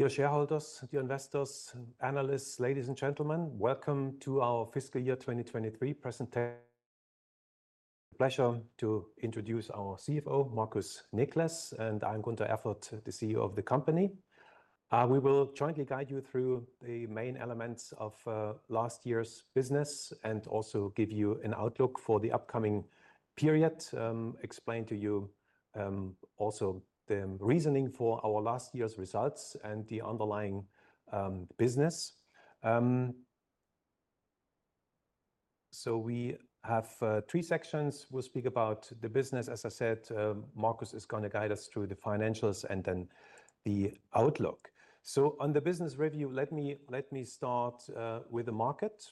Dear shareholders, dear investors, analysts, ladies and gentlemen, welcome to our fiscal year 2023 presentation. It's a pleasure to introduce our CFO, Markus Nikles, and I'm Gunter Erfurt, the CEO of the company. We will jointly guide you through the main elements of last year's business and also give you an outlook for the upcoming period, explain to you also the reasoning for our last year's results and the underlying business. We have three sections. We'll speak about the business. As I said, Markus is going to guide us through the financials and then the outlook. On the business review, let me start with the market.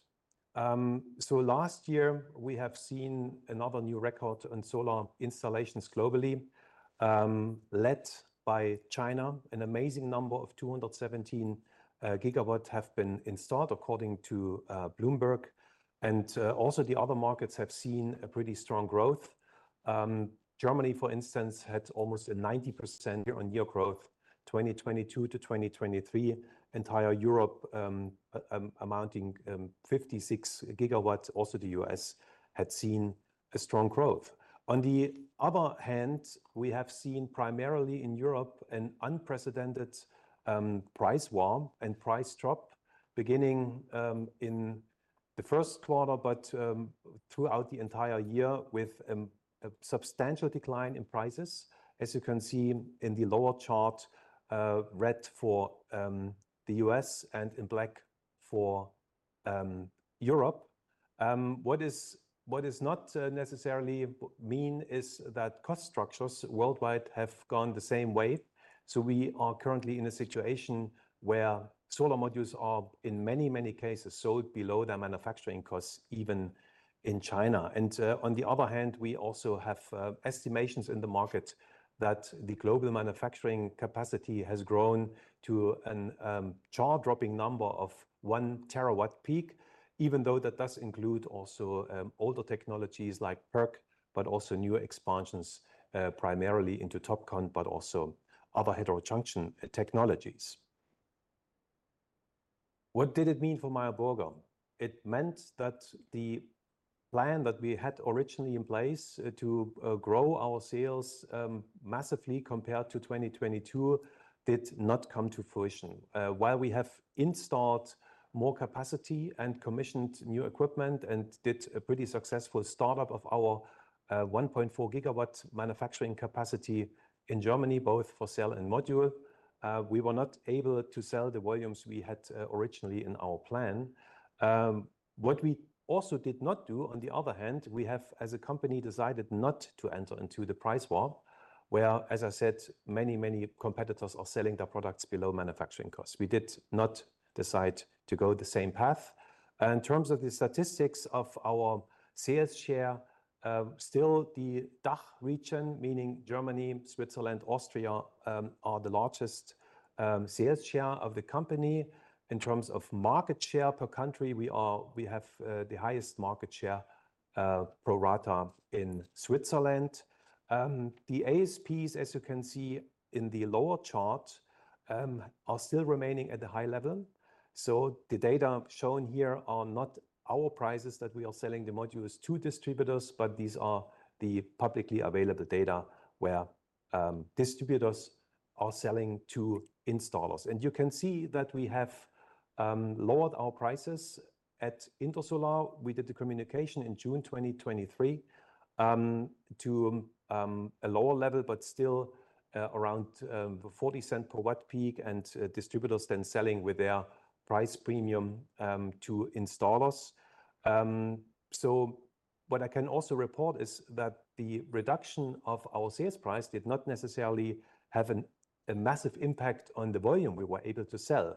Last year we have seen another new record in solar installations globally. Led by China, an amazing number of 217 GW have been installed according to Bloomberg. Also the other markets have seen a pretty strong growth. Germany, for instance, had almost a 90% year-on-year growth 2022 to 2023, entire Europe amounting to 56 GW, also the U.S. had seen a strong growth. On the other hand, we have seen primarily in Europe an unprecedented price war and price drop beginning in the first quarter but throughout the entire year with a substantial decline in prices. As you can see in the lower chart, red for the U.S. and in black for Europe. What does not necessarily mean is that cost structures worldwide have gone the same way. So we are currently in a situation where solar modules are in many, many cases sold below their manufacturing costs even in China. On the other hand, we also have estimations in the market that the global manufacturing capacity has grown to a jaw-dropping number of 1 TWp, even though that does include also older technologies like PERC but also new expansions primarily into TOPCon but also other heterojunction technologies. What did it mean for Meyer Burger? It meant that the plan that we had originally in place to grow our sales massively compared to 2022 did not come to fruition. While we have installed more capacity and commissioned new equipment and did a pretty successful startup of our 1.4 GW manufacturing capacity in Germany, both for cell and module, we were not able to sell the volumes we had originally in our plan. What we also did not do; on the other hand, we have as a company decided not to enter into the price war where, as I said, many, many competitors are selling their products below manufacturing costs. We did not decide to go the same path. In terms of the statistics of our sales share, still the DACH region, meaning Germany, Switzerland, Austria, are the largest sales share of the company. In terms of market share per country, we have the highest market share pro rata in Switzerland. The ASPs, as you can see in the lower chart, are still remaining at the high level. So the data shown here are not our prices that we are selling the modules to distributors, but these are the publicly available data where distributors are selling to installers. You can see that we have lowered our prices at Intersolar. We did the communication in June 2023 to a lower level but still around $0.40 per watt-peak and distributors then selling with their price premium to installers. So what I can also report is that the reduction of our sales price did not necessarily have a massive impact on the volume we were able to sell.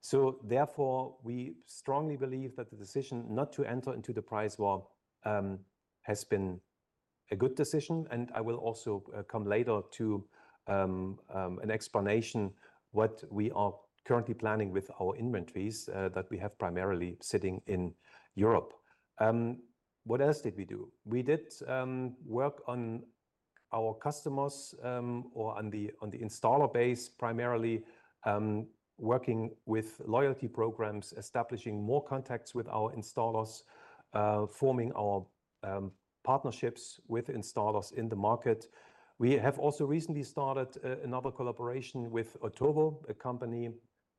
So therefore, we strongly believe that the decision not to enter into the price war has been a good decision. I will also come later to an explanation what we are currently planning with our inventories that we have primarily sitting in Europe. What else did we do? We did work on our customers or on the installer base, primarily working with loyalty programs, establishing more contacts with our installers, forming our partnerships with installers in the market. We have also recently started another collaboration with Otovo, a company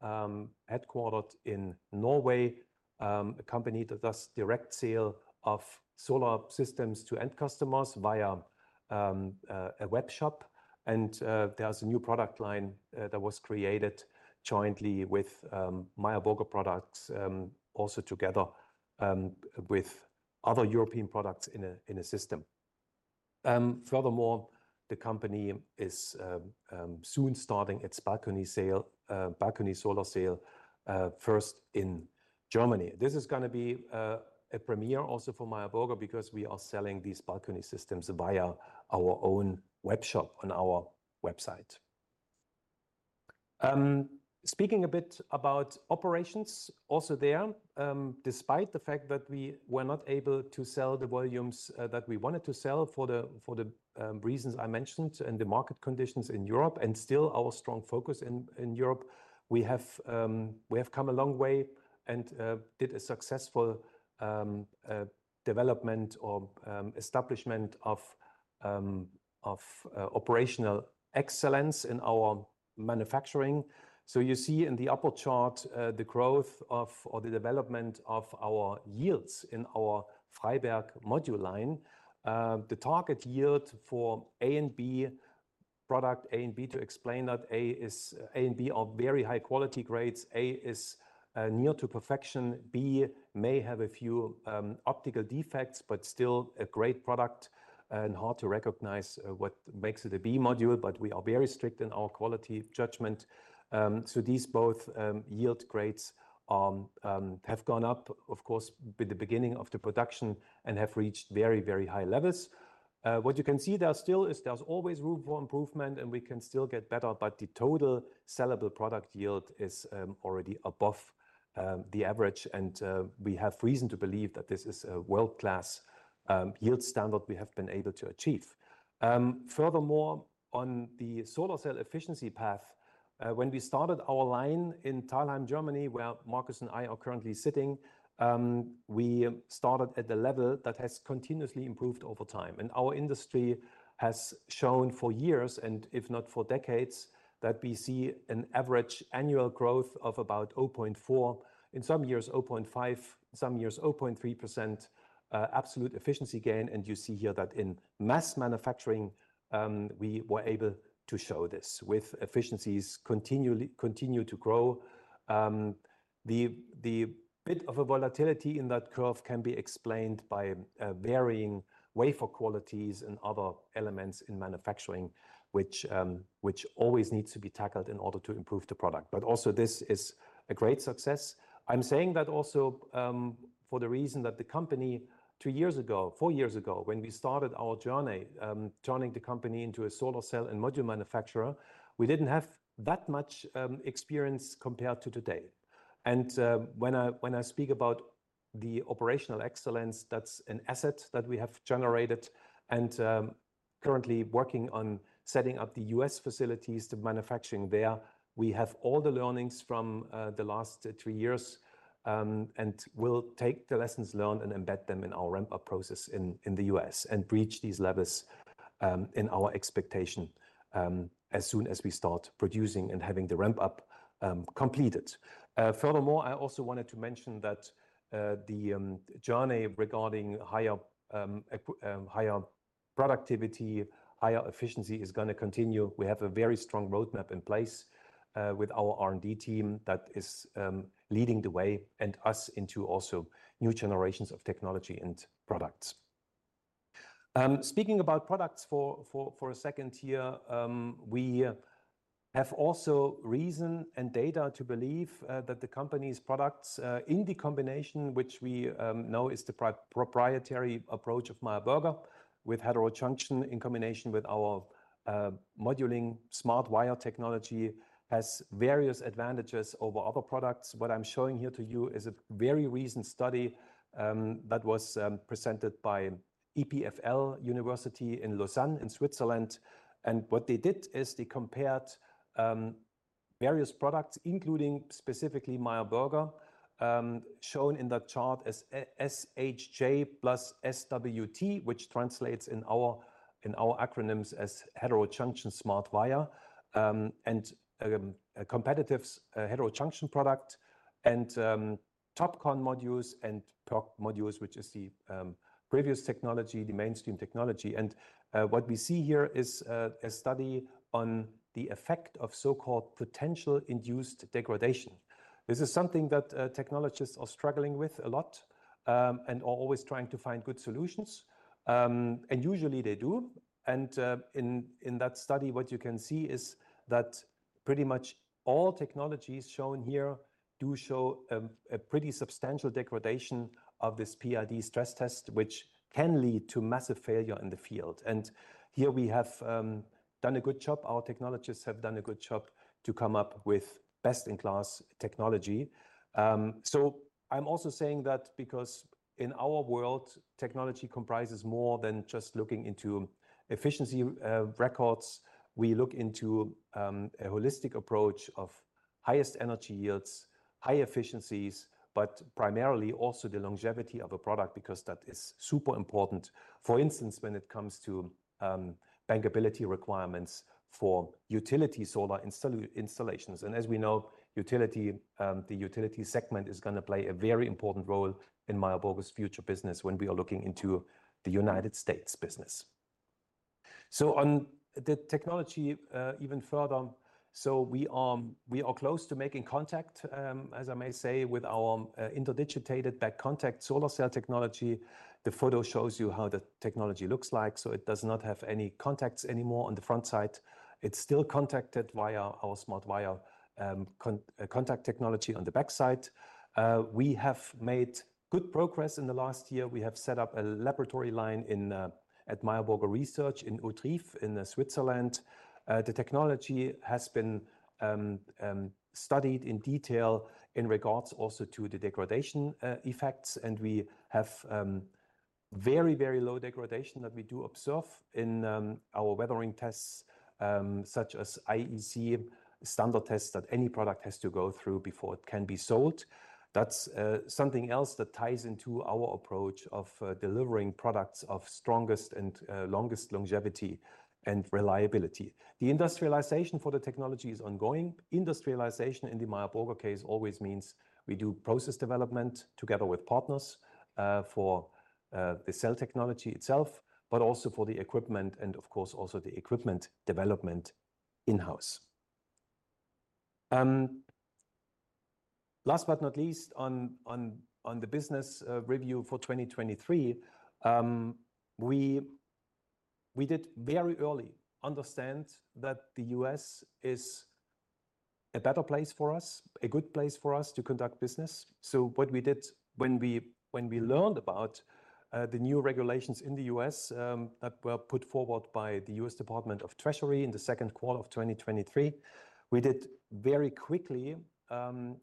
headquartered in Norway, a company that does direct sale of solar systems to end customers via a webshop. There's a new product line that was created jointly with Meyer Burger products, also together with other European products in a system. Furthermore, the company is soon starting its balcony solar sale first in Germany. This is going to be a premiere also for Meyer Burger because we are selling these balcony systems via our own webshop on our website. Speaking a bit about operations also there, despite the fact that we were not able to sell the volumes that we wanted to sell for the reasons I mentioned and the market conditions in Europe and still our strong focus in Europe, we have come a long way and did a successful development or establishment of operational excellence in our manufacturing. So you see in the upper chart the growth or the development of our yields in our Freiberg module line. The target yield for A and B product, A and B. To explain that, A and B are very high quality grades. A is near to perfection. B may have a few optical defects but still a great product and hard to recognize what makes it a B module, but we are very strict in our quality judgment. So these both yield grades have gone up, of course, with the beginning of the production and have reached very, very high levels. What you can see there still is there's always room for improvement and we can still get better, but the total sellable product yield is already above the average. And we have reason to believe that this is a world-class yield standard we have been able to achieve. Furthermore, on the solar cell efficiency path, when we started our line in Thalheim, Germany, where Markus and I are currently sitting, we started at the level that has continuously improved over time. And our industry has shown for years and if not for decades that we see an average annual growth of about 0.4%, in some years 0.5%, in some years 0.3% absolute efficiency gain. You see here that in mass manufacturing we were able to show this with efficiencies continue to grow. The bit of a volatility in that curve can be explained by varying wafer qualities and other elements in manufacturing, which always need to be tackled in order to improve the product. But also this is a great success. I'm saying that also for the reason that the company 2 years ago, 4 years ago, when we started our journey turning the company into a solar cell and module manufacturer, we didn't have that much experience compared to today. And when I speak about the operational excellence, that's an asset that we have generated. Currently working on setting up the U.S. facilities to manufacturing there, we have all the learnings from the last three years and will take the lessons learned and embed them in our ramp-up process in the U.S. and reach these levels in our expectation as soon as we start producing and having the ramp-up completed. Furthermore, I also wanted to mention that the journey regarding higher productivity, higher efficiency is going to continue. We have a very strong roadmap in place with our R&D team that is leading the way and us into also new generations of technology and products. Speaking about products for a second here, we have also reason and data to believe that the company's products in the combination, which we know is the proprietary approach of Meyer Burger with heterojunction in combination with our module SmartWire technology, has various advantages over other products. What I'm showing here to you is a very recent study that was presented by EPFL University in Lausanne in Switzerland. What they did is they compared various products, including specifically Meyer Burger, shown in that chart as SHJ plus SWT, which translates in our acronyms as heterojunction smart wire and a competitive heterojunction product and TOPCon modules and PERC modules, which is the previous technology, the mainstream technology. What we see here is a study on the effect of so-called potential induced degradation. This is something that technologists are struggling with a lot and are always trying to find good solutions. Usually they do. In that study, what you can see is that pretty much all technologies shown here do show a pretty substantial degradation of this PID stress test, which can lead to massive failure in the field. Here we have done a good job. Our technologists have done a good job to come up with best-in-class technology. So I'm also saying that because in our world, technology comprises more than just looking into efficiency records. We look into a holistic approach of highest energy yields, high efficiencies, but primarily also the longevity of a product because that is super important. For instance, when it comes to bankability requirements for utility solar installations. And as we know, the utility segment is going to play a very important role in Meyer Burger's future business when we are looking into the United States business. So on the technology even further, so we are close to making contact, as I may say, with our interdigitated back contact solar cell technology. The photo shows you how the technology looks like. So it does not have any contacts anymore on the front side. It's still contacted via our SmartWire contact technology on the backside. We have made good progress in the last year. We have set up a laboratory line at Meyer Burger Research in Hauterive in Switzerland. The technology has been studied in detail in regards also to the degradation effects. We have very, very low degradation that we do observe in our weathering tests such as IEC standard tests that any product has to go through before it can be sold. That's something else that ties into our approach of delivering products of strongest and longest longevity and reliability. The industrialization for the technology is ongoing. Industrialization in the Meyer Burger case always means we do process development together with partners for the cell technology itself, but also for the equipment and, of course, also the equipment development in-house. Last but not least, on the business review for 2023, we did very early understand that the U.S. is a better place for us, a good place for us to conduct business. So what we did when we learned about the new regulations in the U.S. that were put forward by the U.S. Department of the Treasury in the second quarter of 2023, we did very quickly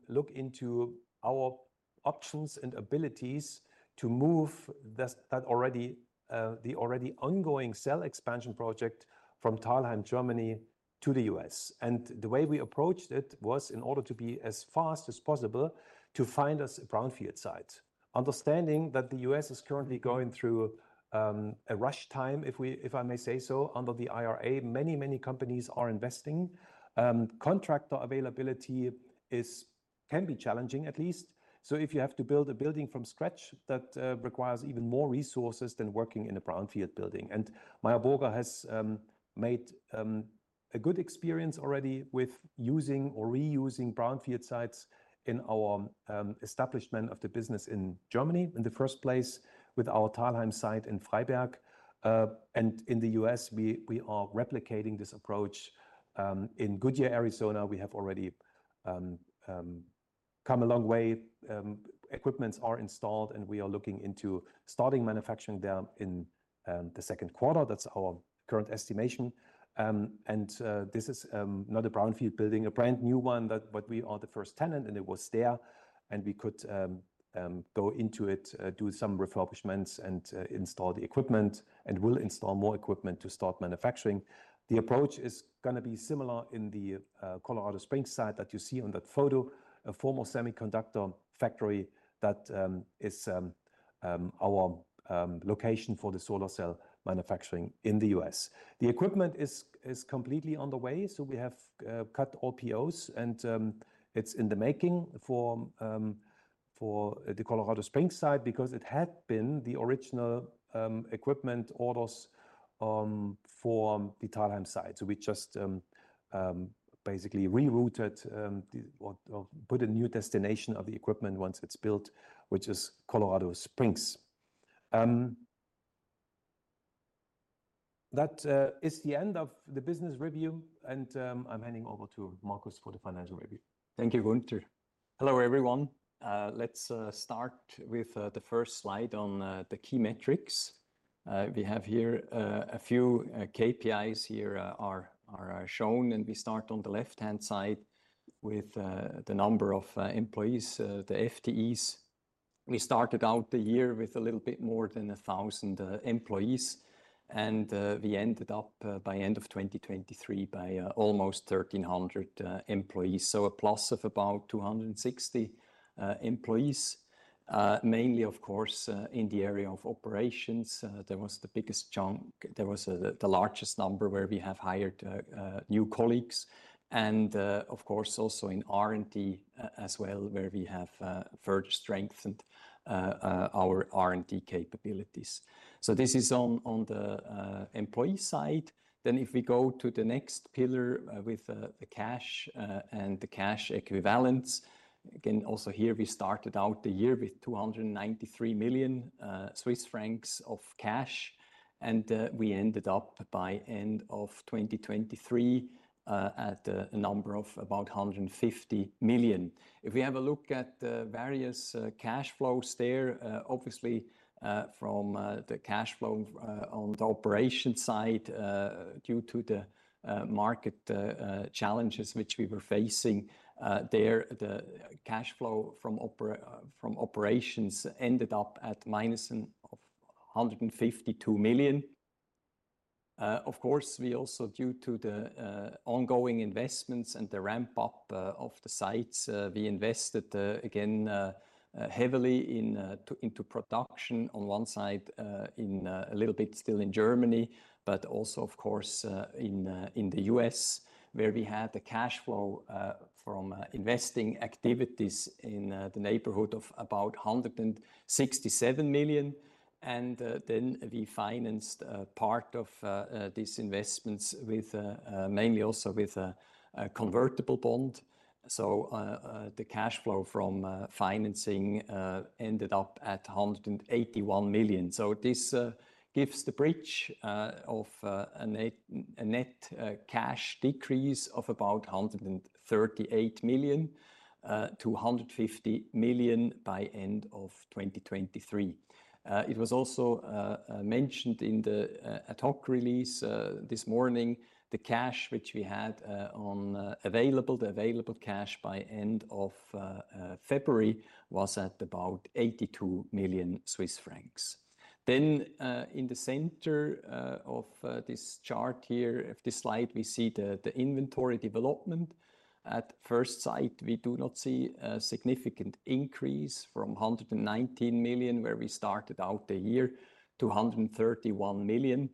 look into our options and abilities to move the already ongoing cell expansion project from Thalheim, Germany to the U.S. The way we approached it was in order to be as fast as possible to find us a brownfield site, understanding that the U.S. is currently going through a rush time, if I may say so, under the IRA. Many, many companies are investing. Contractor availability can be challenging, at least. So if you have to build a building from scratch, that requires even more resources than working in a brownfield building. Meyer Burger has made a good experience already with using or reusing brownfield sites in our establishment of the business in Germany in the first place with our Thalheim site and Freiberg. In the U.S., we are replicating this approach. In Goodyear, Arizona, we have already come a long way. Equipment is installed and we are looking into starting manufacturing there in the second quarter. That's our current estimation. This is not a brownfield building, a brand new one that we are the first tenant and it was there. We could go into it, do some refurbishments and install the equipment and will install more equipment to start manufacturing. The approach is going to be similar in the Colorado Springs site that you see on that photo, a former semiconductor factory that is our location for the solar cell manufacturing in the U.S. The equipment is completely on the way. So we have cut all POs and it's in the making for the Colorado Springs site because it had been the original equipment orders for the Thalheim site. So we just basically rerouted or put a new destination of the equipment once it's built, which is Colorado Springs. That is the end of the business review and I'm handing over to Markus for the financial review. Thank you, Gunter. Hello, everyone. Let's start with the first slide on the key metrics. We have here a few KPIs here are shown. We start on the left-hand side with the number of employees, the FTEs. We started out the year with a little bit more than 1,000 employees. We ended up by the end of 2023 by almost 1,300 employees. So a plus of about 260 employees, mainly, of course, in the area of operations. There was the biggest chunk. There was the largest number where we have hired new colleagues. Of course, also in R&D as well, where we have further strengthened our R&D capabilities. So this is on the employee side. Then if we go to the next pillar with the cash and the cash equivalents, again, also here we started out the year with 293 million Swiss francs of cash. We ended up by the end of 2023 at a number of about 150 million. If we have a look at the various cash flows there, obviously from the cash flow on the operations side due to the market challenges, which we were facing there, the cash flow from operations ended up at minus 152 million. Of course, we also due to the ongoing investments and the ramp-up of the sites, we invested again heavily into production on one side in a little bit still in Germany, but also, of course, in the U.S., where we had the cash flow from investing activities in the neighborhood of about 167 million. Then we financed part of these investments mainly also with a convertible bond. The cash flow from financing ended up at 181 million. So this gives the bridge of a net cash decrease of about 138 million-150 million by the end of 2023. It was also mentioned in the ad hoc release this morning, the cash which we had available, the available cash by the end of February was at about 82 million Swiss francs. Then in the center of this chart here, of this slide, we see the inventory development. At first sight, we do not see a significant increase from 119 million, where we started out the year, to 131 million.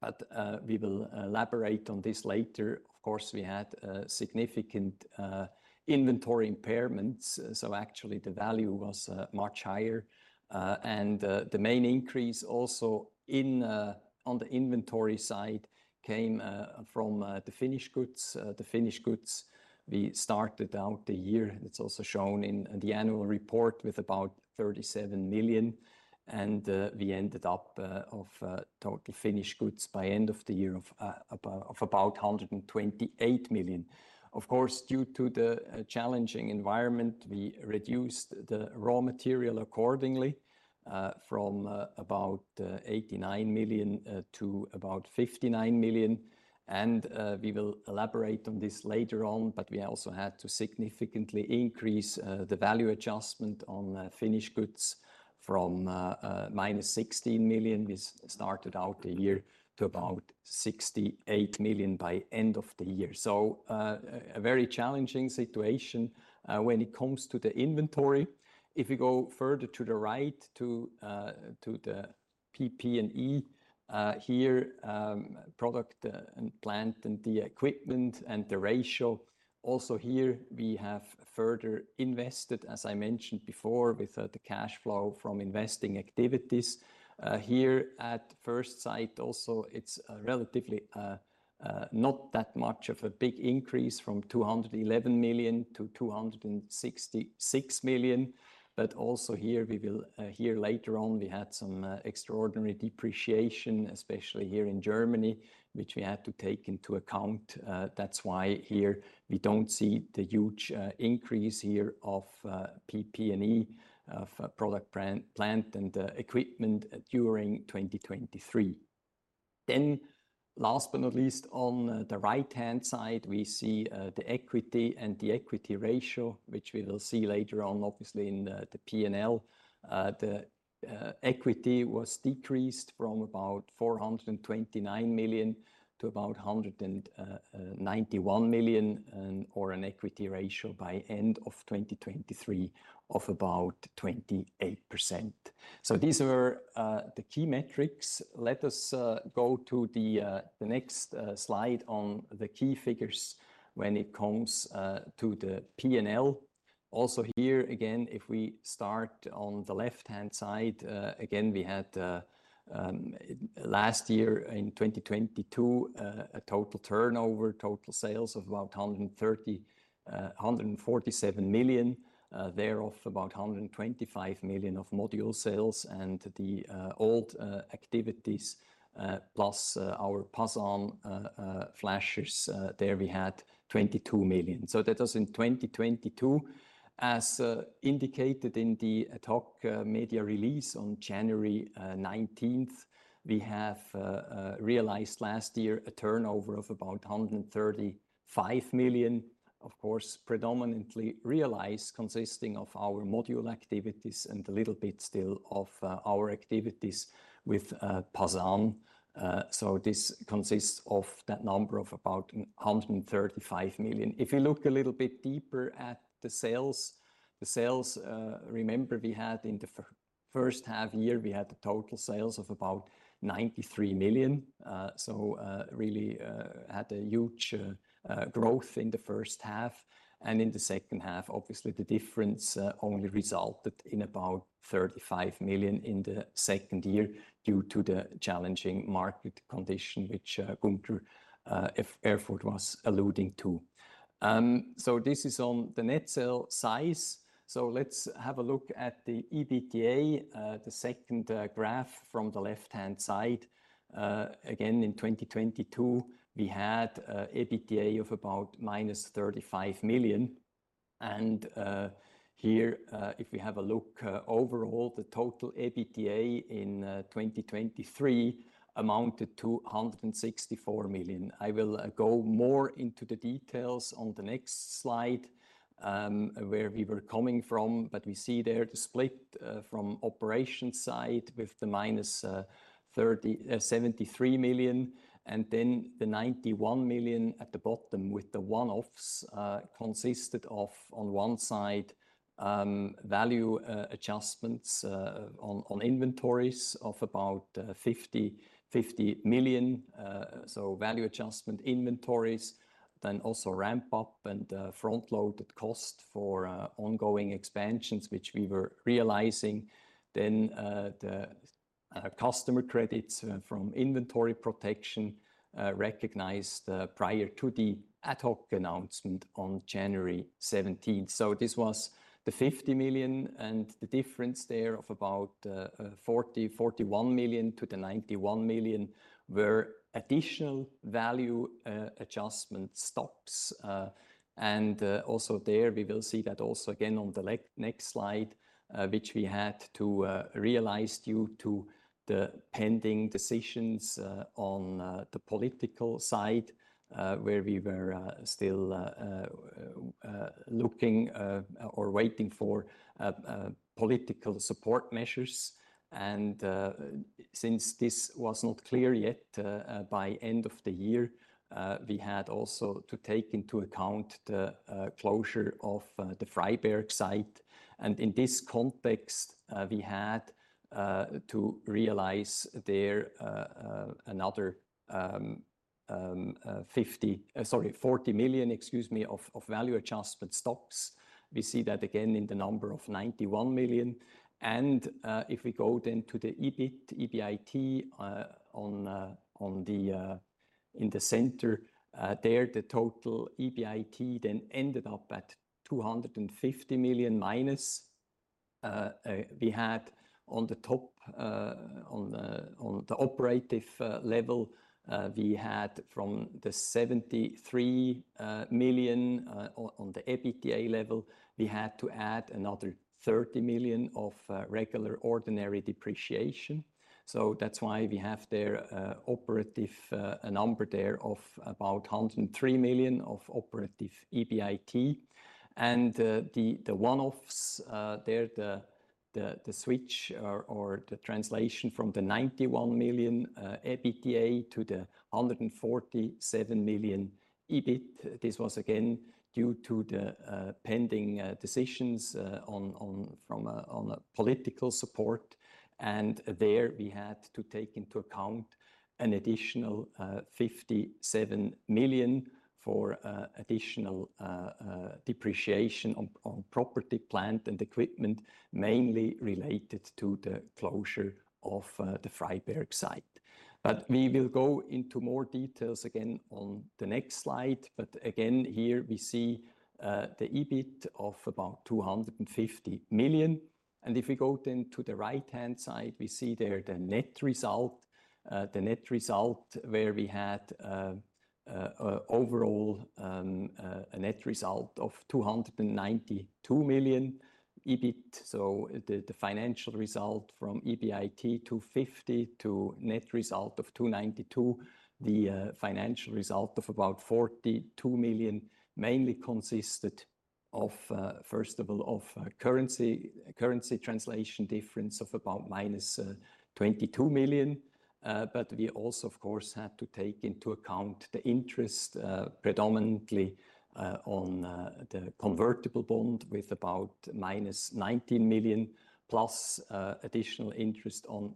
But we will elaborate on this later. Of course, we had significant inventory impairments. So actually, the value was much higher. And the main increase also on the inventory side came from the finished goods. The finished goods, we started out the year, it's also shown in the annual report, with about 37 million. We ended up of total finished goods by the end of the year of about 128 million. Of course, due to the challenging environment, we reduced the raw material accordingly from about 89 million to about 59 million. And we will elaborate on this later on. But we also had to significantly increase the value adjustment on finished goods from -16 million. We started out the year to about 68 million by the end of the year. So a very challenging situation when it comes to the inventory. If we go further to the right to the PP&E here, property, plant and equipment. Also here, we have further invested, as I mentioned before, with the cash flow from investing activities. Here at first sight also, it's relatively not that much of a big increase from 211 million to 266 million. But also here we will hear later on, we had some extraordinary depreciation, especially here in Germany, which we had to take into account. That's why here we don't see the huge increase here of PP&E, of property, plant, and equipment during 2023. Last but not least, on the right-hand side, we see the equity and the equity ratio, which we will see later on, obviously, in the P&L. The equity was decreased from about 429 million to about 191 million, or an equity ratio by the end of 2023 of about 28%. These were the key metrics. Let us go to the next slide on the key figures when it comes to the P&L. Also here, again, if we start on the left-hand side, again, we had last year in 2022 a total turnover, total sales of about 147 million, thereof about 125 million of module sales and the old activities plus our Pasan flashers, there we had 22 million. So that was in 2022. As indicated in the ad hoc media release on January 19th, we have realized last year a turnover of about 135 million, of course, predominantly realized consisting of our module activities and a little bit still of our activities with Pasan. So this consists of that number of about 135 million. If you look a little bit deeper at the sales, remember we had in the first half year, we had a total sales of about 93 million. So really had a huge growth in the first half. In the second half, obviously, the difference only resulted in about 35 million in the second year due to the challenging market condition, which Gunter Erfurt was alluding to. So this is on the net sale size. So let's have a look at the EBITDA, the second graph from the left-hand side. Again, in 2022, we had EBITDA of about -35 million. And here, if we have a look overall, the total EBITDA in 2023 amounted to 164 million. I will go more into the details on the next slide where we were coming from. But we see there the split from operations side with the -73 million and then the 91 million at the bottom with the one-offs consisted of, on one side, value adjustments on inventories of about 50 million. So value adjustment inventories, then also ramp-up and front-loaded costs for ongoing expansions, which we were realizing. Then the customer credits from inventory protection recognized prior to the ad hoc announcement on January 17th. So this was the 50 million and the difference there of about 41 million to the 91 million were additional value adjustment stocks. And also there, we will see that also again on the next slide, which we had to realize due to the pending decisions on the political side, where we were still looking or waiting for political support measures. And since this was not clear yet by the end of the year, we had also to take into account the closure of the Freiberg site. And in this context, we had to realize there another 50, sorry, 40 million, excuse me, of value adjustment stocks. We see that again in the number of 91 million. If we go then to the EBIT, EBIT on the in the center, there, the total EBIT then ended up at minus 250 million. We had on the top, on the operative level, we had from the 73 million on the EBITDA level, we had to add another 30 million of regular ordinary depreciation. So that's why we have there operative a number there of about 103 million of operative EBIT. And the one-offs there, the switch or the translation from the 91 million EBITDA to the 147 million EBIT, this was again due to the pending decisions on from a political support. And there, we had to take into account an additional 57 million for additional depreciation on property, plant, and equipment, mainly related to the closure of the Freiberg site. But we will go into more details again on the next slide. But again, here we see the EBIT of about 250 million. And if we go then to the right-hand side, we see there the net result, the net result where we had overall a net result of 292 million EBIT. So the financial result from EBIT to 50 to net result of 292, the financial result of about 42 million mainly consisted of, first of all, of currency translation difference of about -22 million. But we also, of course, had to take into account the interest predominantly on the convertible bond with about -19 million plus additional interest on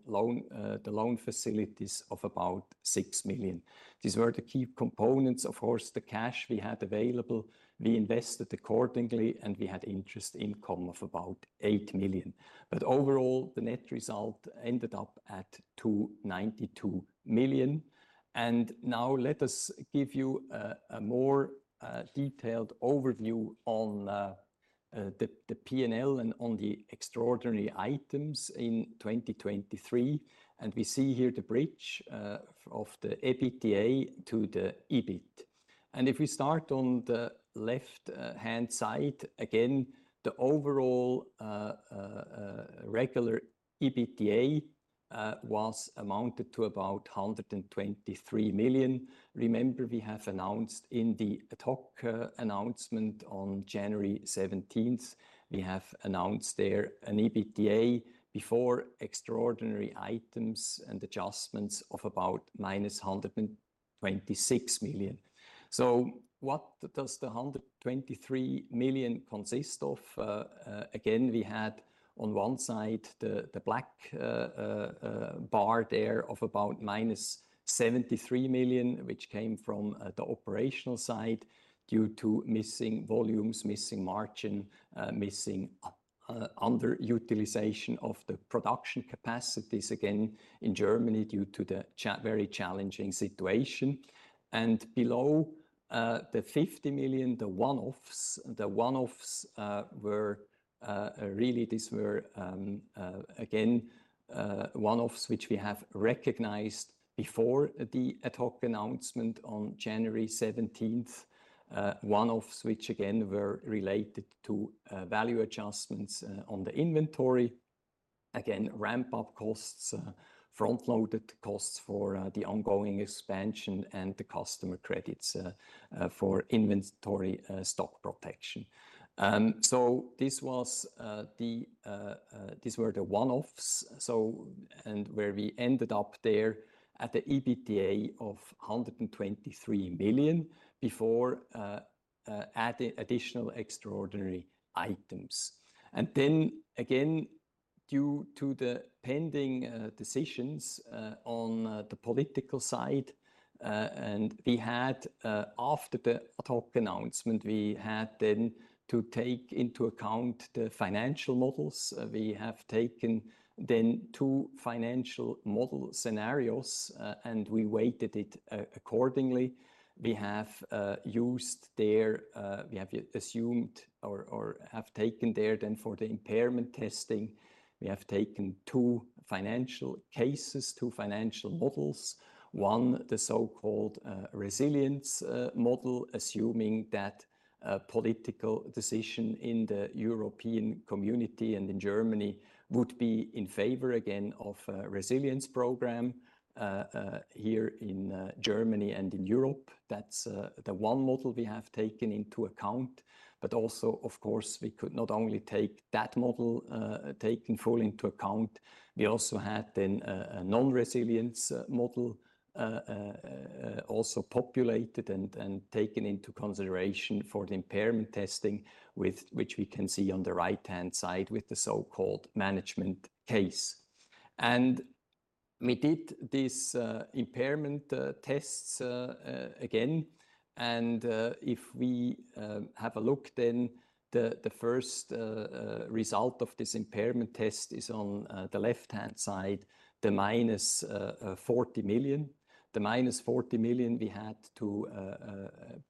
the loan facilities of about 6 million. These were the key components. Of course, the cash we had available, we invested accordingly, and we had interest income of about 8 million. But overall, the net result ended up at 292 million. Now let us give you a more detailed overview on the P&L and on the extraordinary items in 2023. We see here the bridge of the EBITDA to the EBIT. If we start on the left-hand side, again, the overall regular EBITDA was amounted to about 123 million. Remember, we have announced in the ad hoc announcement on January 17th, we have announced there an EBITDA before extraordinary items and adjustments of about -126 million. So what does the 123 million consist of? Again, we had on one side the black bar there of about -73 million, which came from the operational side due to missing volumes, missing margin, missing underutilization of the production capacities, again in Germany due to the very challenging situation. Below the 50 million, the one-offs, the one-offs were really, these were again one-offs which we have recognized before the ad hoc announcement on January 17th. One-offs which again were related to value adjustments on the inventory. Again, ramp-up costs, front-loaded costs for the ongoing expansion and the customer credits for inventory stock protection. So this was the, these were the one-offs. So where we ended up there at the EBITDA of 123 million before additional extraordinary items. Then again, due to the pending decisions on the political side, and we had after the ad hoc announcement, we had then to take into account the financial models. We have taken then two financial model scenarios and we weighted it accordingly. We have used there, we have assumed or have taken there then for the impairment testing, we have taken two financial cases, two financial models. One, the so-called resilience model, assuming that a political decision in the European community and in Germany would be in favor again of a resilience program here in Germany and in Europe. That's the one model we have taken into account. But also, of course, we could not only take that model taken full into account, we also had then a non-resilience model also populated and taken into consideration for the impairment testing, which we can see on the right-hand side with the so-called management case. And we did these impairment tests again. And if we have a look then, the first result of this impairment test is on the left-hand side, the -40 million. The -40 million we had to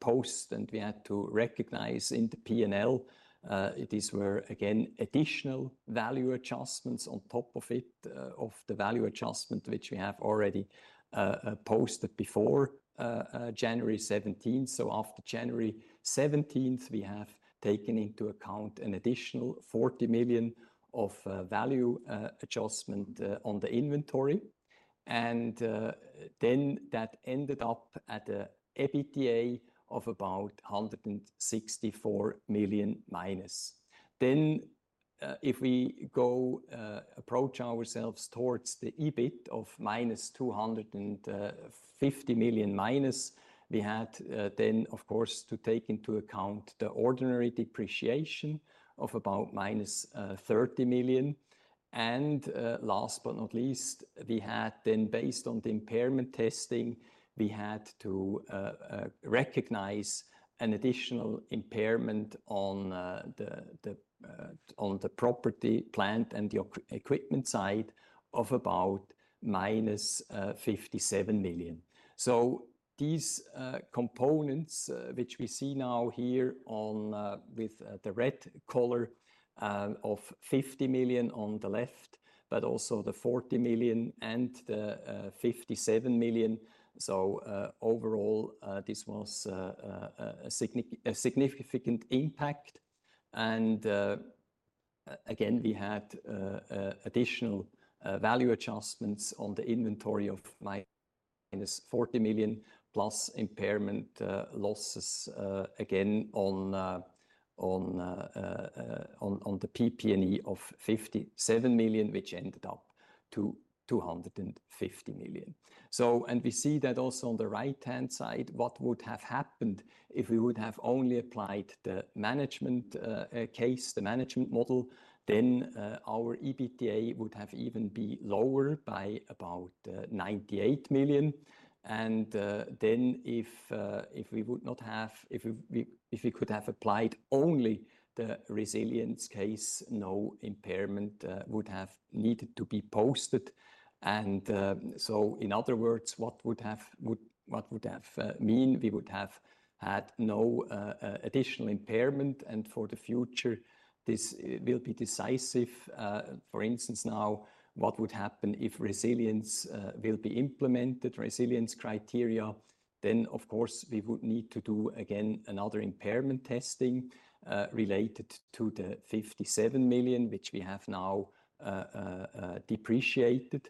post and we had to recognize in the P&L. These were again additional value adjustments on top of it, of the value adjustment which we have already posted before January 17th. So after January 17th, we have taken into account an additional 40 million of value adjustment on the inventory. And then that ended up at an EBITDA of about -164 million. Then if we go approach ourselves towards the EBIT of -250 million, we had then, of course, to take into account the ordinary depreciation of about -30 million. And last but not least, we had then, based on the impairment testing, we had to recognize an additional impairment on the property, plant, and the equipment side of about -57 million. So these components, which we see now here with the red color of 50 million on the left, but also the 40 million and the 57 million. So overall, this was a significant impact. And again, we had additional value adjustments on the inventory of -40 million plus impairment losses again on the PP&E of 57 million, which ended up to 250 million. And we see that also on the right-hand side, what would have happened if we would have only applied the management case, the management model, then our EBITDA would have even been lower by about 98 million. And then if we would not have, if we could have applied only the resilience case, no impairment would have needed to be posted. And so in other words, what would that have meant? We would have had no additional impairment. And for the future, this will be decisive. For instance, now, what would happen if resilience will be implemented, resilience criteria? Then, of course, we would need to do again another impairment testing related to the 57 million, which we have now depreciated.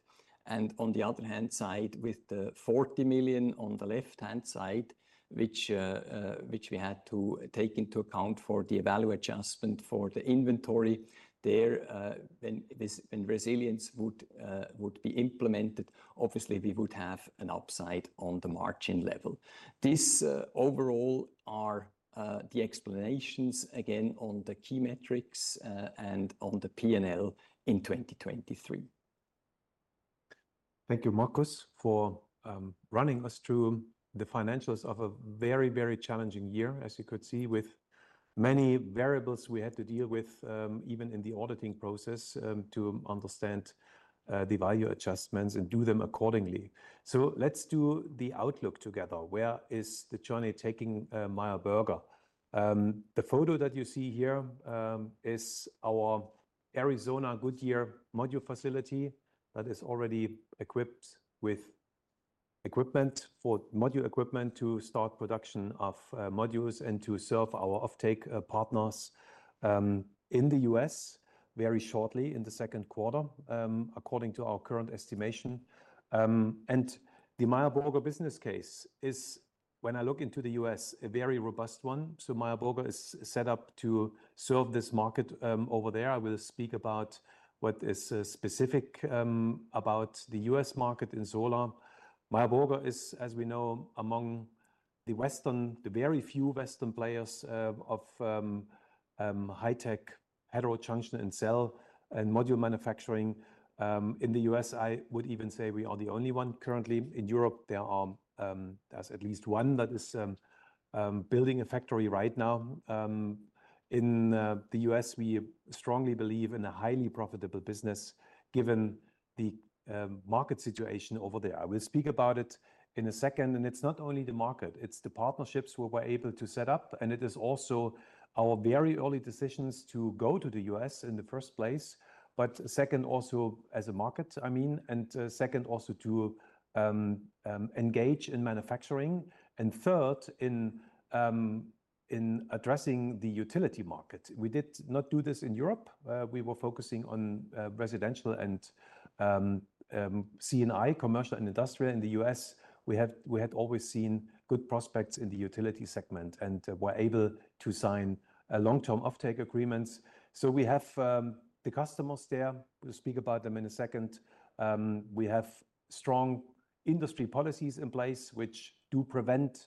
And on the other hand side, with the 40 million on the left-hand side, which we had to take into account for the value adjustment for the inventory there, when resilience would be implemented, obviously, we would have an upside on the margin level. These overall are the explanations again on the key metrics and on the P&L in 2023. Thank you, Markus, for running us through the financials of a very, very challenging year, as you could see, with many variables we had to deal with even in the auditing process to understand the value adjustments and do them accordingly. So let's do the outlook together. Where is the journey taking Meyer Burger? The photo that you see here is our Goodyear, Arizona module facility that is already equipped with equipment for module equipment to start production of modules and to serve our offtake partners in the U.S. very shortly in the second quarter, according to our current estimation. The Meyer Burger business case is, when I look into the U.S., a very robust one. Meyer Burger is set up to serve this market over there. I will speak about what is specific about the U.S. market in solar. Meyer Burger is, as we know, among the Western, the very few Western players of high-tech heterojunction and cell and module manufacturing in the U.S. I would even say we are the only one currently. In Europe, there is at least one that is building a factory right now. In the U.S., we strongly believe in a highly profitable business given the market situation over there. I will speak about it in a second. It's not only the market, it's the partnerships we were able to set up. It is also our very early decisions to go to the U.S. in the first place, but second also as a market, I mean, and second also to engage in manufacturing. Third, in addressing the utility market. We did not do this in Europe. We were focusing on residential and C&I, commercial and industrial. In the U.S., we had always seen good prospects in the utility segment and were able to sign long-term offtake agreements. So we have the customers there. We'll speak about them in a second. We have strong industry policies in place, which do prevent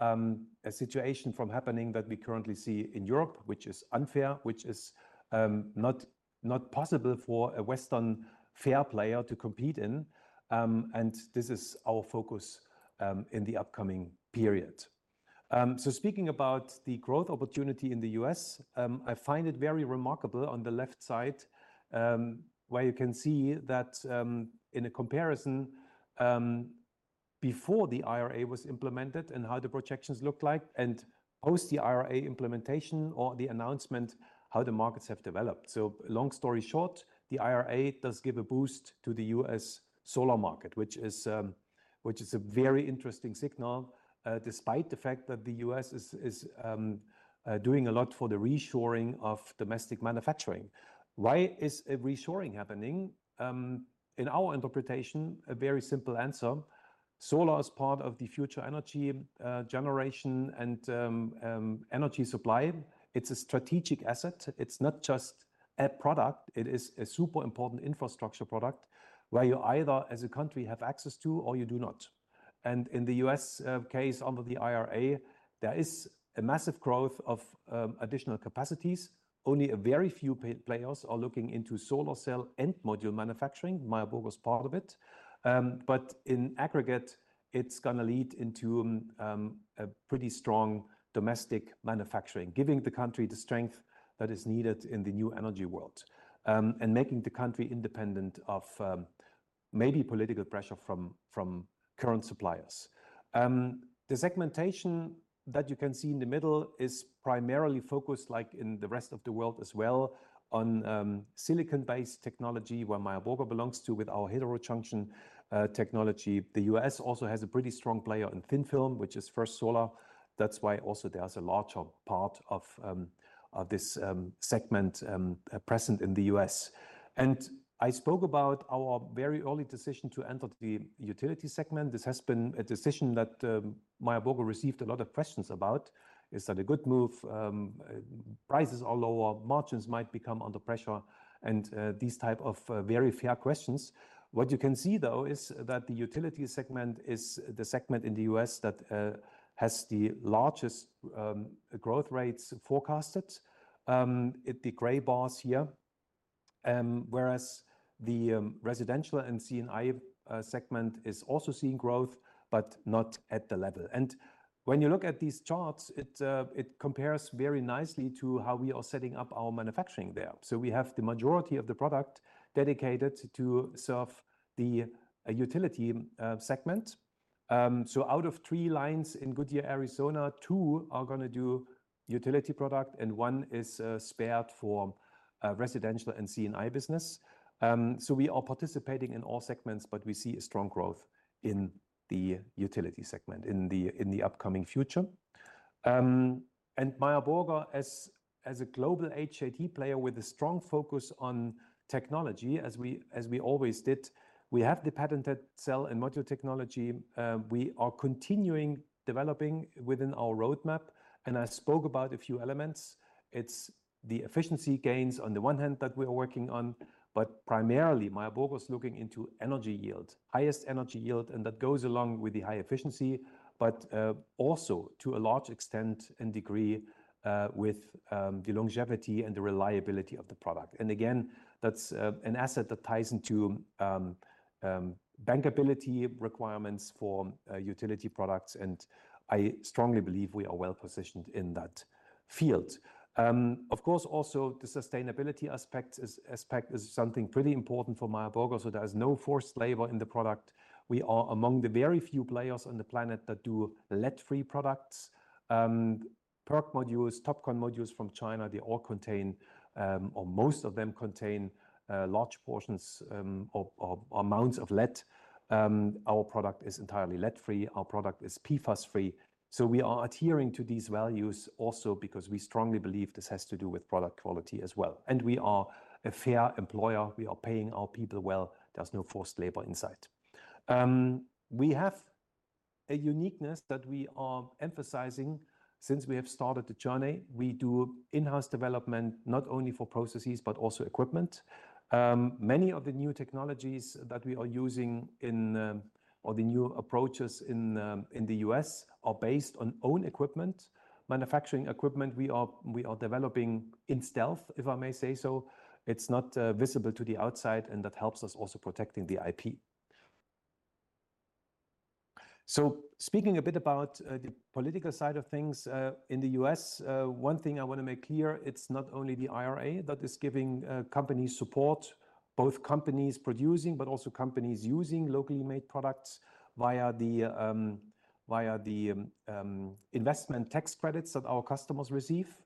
a situation from happening that we currently see in Europe, which is unfair, which is not possible for a Western fair player to compete in. This is our focus in the upcoming period. Speaking about the growth opportunity in the U.S., I find it very remarkable on the left side where you can see that in a comparison before the IRA was implemented and how the projections looked like. Post the IRA implementation or the announcement, how the markets have developed. Long story short, the IRA does give a boost to the U.S. solar market, which is a very interesting signal, despite the fact that the U.S. is doing a lot for the reshoring of domestic manufacturing. Why is a reshoring happening? In our interpretation, a very simple answer. Solar is part of the future energy generation and energy supply. It's a strategic asset. It's not just a product. It is a super important infrastructure product where you either, as a country, have access to or you do not. In the U.S. case under the IRA, there is a massive growth of additional capacities. Only a very few players are looking into solar cell and module manufacturing. Meyer Burger is part of it. But in aggregate, it's going to lead into a pretty strong domestic manufacturing, giving the country the strength that is needed in the new energy world and making the country independent of maybe political pressure from current suppliers. The segmentation that you can see in the middle is primarily focused, like in the rest of the world as well, on silicon-based technology, where Meyer Burger belongs to with our heterojunction technology. The U.S. also has a pretty strong player in thin film, which is First Solar. That's why also there is a larger part of this segment present in the U.S. And I spoke about our very early decision to enter the utility segment. This has been a decision that Meyer Burger received a lot of questions about. Is that a good move? Prices are lower. Margins might become under pressure. And these types of very fair questions. What you can see, though, is that the utility segment is the segment in the U.S. that has the largest growth rates forecasted. It's the gray bars here. Whereas the residential and C&I segment is also seeing growth, but not at the level. And when you look at these charts, it compares very nicely to how we are setting up our manufacturing there. We have the majority of the product dedicated to serve the utility segment. Out of 3 lines in Goodyear, Arizona, 2 are going to do utility product and 1 is spared for residential and C&I business. We are participating in all segments, but we see a strong growth in the utility segment in the upcoming future. Meyer Burger, as a global HJT player with a strong focus on technology, as we always did, we have the patented cell and module technology. We are continuing developing within our roadmap. I spoke about a few elements. It's the efficiency gains on the one hand that we are working on, but primarily, Meyer Burger is looking into energy yield, highest energy yield, and that goes along with the high efficiency, but also to a large extent and degree with the longevity and the reliability of the product. Again, that's an asset that ties into bankability requirements for utility products. I strongly believe we are well positioned in that field. Of course, also the sustainability aspect is something pretty important for Meyer Burger. So there is no forced labor in the product. We are among the very few players on the planet that do lead-free products. PERC modules, TOPCon modules from China, they all contain, or most of them contain, large portions or amounts of lead. Our product is entirely lead-free. Our product is PFAS-free. So we are adhering to these values also because we strongly believe this has to do with product quality as well. We are a fair employer. We are paying our people well. There's no forced labor inside. We have a uniqueness that we are emphasizing since we have started the journey. We do in-house development not only for processes, but also equipment. Many of the new technologies that we are using in or the new approaches in the U.S. are based on own equipment, manufacturing equipment. We are developing in stealth, if I may say so. It's not visible to the outside, and that helps us also protecting the IP. So speaking a bit about the political side of things in the U.S., one thing I want to make clear, it's not only the IRA that is giving companies support, both companies producing, but also companies using locally made products via the investment tax credits that our customers receive,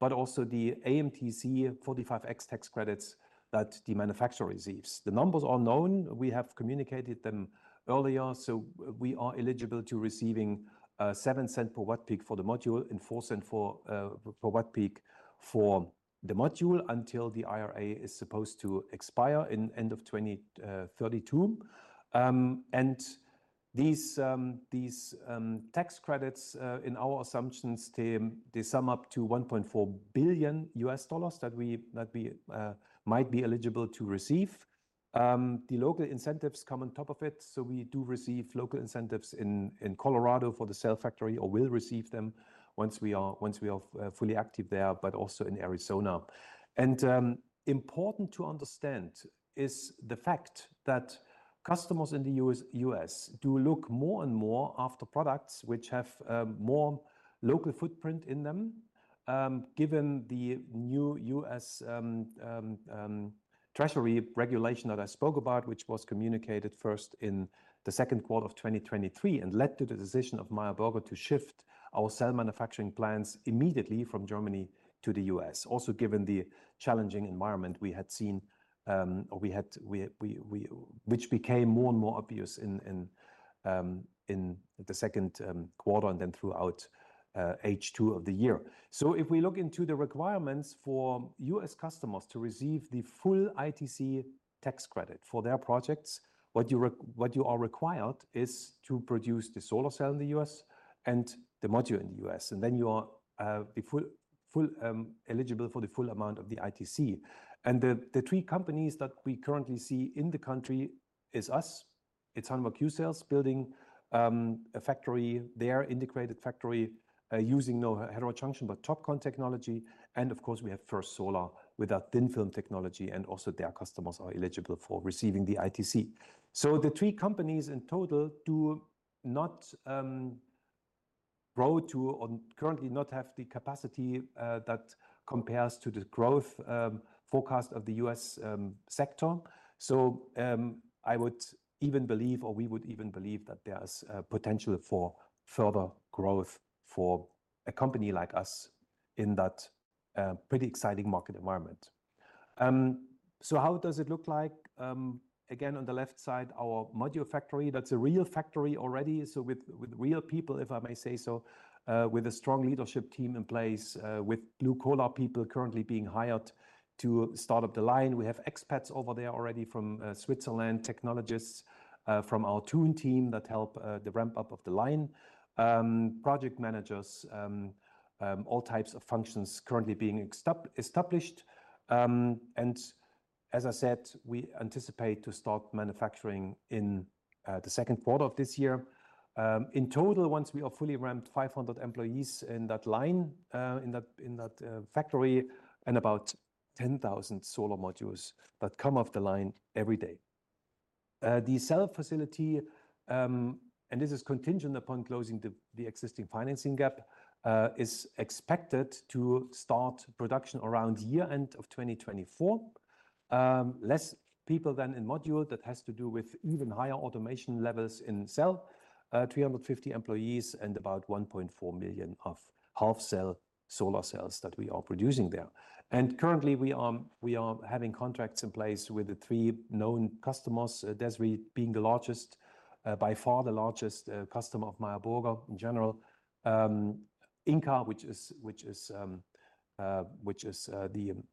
but also the 45X tax credits that the manufacturer receives. The numbers are known. We have communicated them earlier. We are eligible to receive 0.07 cents per watt-peak for the module and 0.04 cents per watt-peak for the module until the IRA is supposed to expire in the end of 2032. These tax credits, in our assumptions, they sum up to $1.4 billion that we might be eligible to receive. The local incentives come on top of it. We do receive local incentives in Colorado for the cell factory or will receive them once we are fully active there, but also in Arizona. Important to understand is the fact that customers in the U.S. do look more and more after products which have more local footprint in them, given the new U.S. Treasury regulation that I spoke about, which was communicated first in the second quarter of 2023 and led to the decision of Meyer Burger to shift our cell manufacturing plants immediately from Germany to the U.S., also given the challenging environment we had seen or which became more and more obvious in the second quarter and then throughout H2 of the year. So if we look into the requirements for U.S. customers to receive the full ITC tax credit for their projects, what you are required is to produce the solar cell in the U.S. and the module in the U.S. Then you are eligible for the full amount of the ITC. The three companies that we currently see in the country are us. It's Hanwha Qcells building a factory there, integrated factory, using no heterojunction, but TOPCon technology. And of course, we have First Solar without thin film technology, and also their customers are eligible for receiving the ITC. So the three companies in total do not grow to or currently not have the capacity that compares to the growth forecast of the US sector. So I would even believe, or we would even believe, that there is potential for further growth for a company like us in that pretty exciting market environment. So how does it look like? Again, on the left side, our module factory. That's a real factory already, so with real people, if I may say so, with a strong leadership team in place, with blue-collar people currently being hired to start up the line. We have expats over there already from Switzerland, technologists from our Thun team that help the ramp-up of the line, project managers, all types of functions currently being established. As I said, we anticipate to start manufacturing in the second quarter of this year. In total, once we are fully ramped, 500 employees in that line, in that factory, and about 10,000 solar modules that come off the line every day. The cell facility, and this is contingent upon closing the existing financing gap, is expected to start production around year-end of 2024, less people than in module that has to do with even higher automation levels in cell, 350 employees, and about 1.4 million half-cell solar cells that we are producing there. Currently, we are having contracts in place with the three known customers, DESRI being the largest, by far the largest customer of Meyer Burger in general, Ingka Group, which is the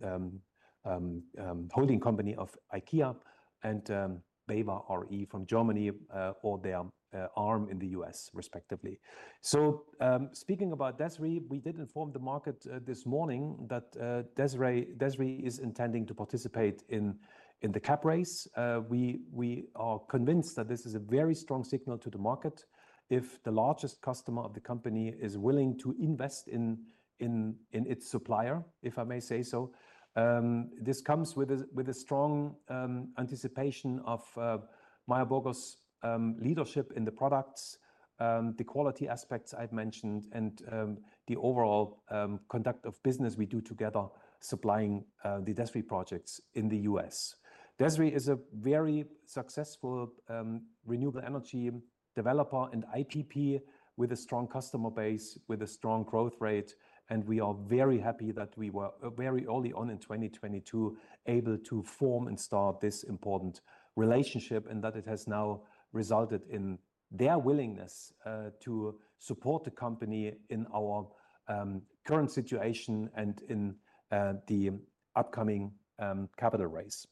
holding company of IKEA, and BayWa r.e. from Germany, or their arm in the U.S., respectively. So speaking about DESRI, we did inform the market this morning that DESRI is intending to participate in the cap raise. We are convinced that this is a very strong signal to the market if the largest customer of the company is willing to invest in its supplier, if I may say so. This comes with a strong anticipation of Meyer Burger's leadership in the products, the quality aspects I've mentioned, and the overall conduct of business we do together supplying the DESRI projects in the U.S. DESRI is a very successful renewable energy developer and IPP with a strong customer base, with a strong growth rate. We are very happy that we were very early on in 2022 able to form and start this important relationship and that it has now resulted in their willingness to support the company in our current situation and in the upcoming capital raise.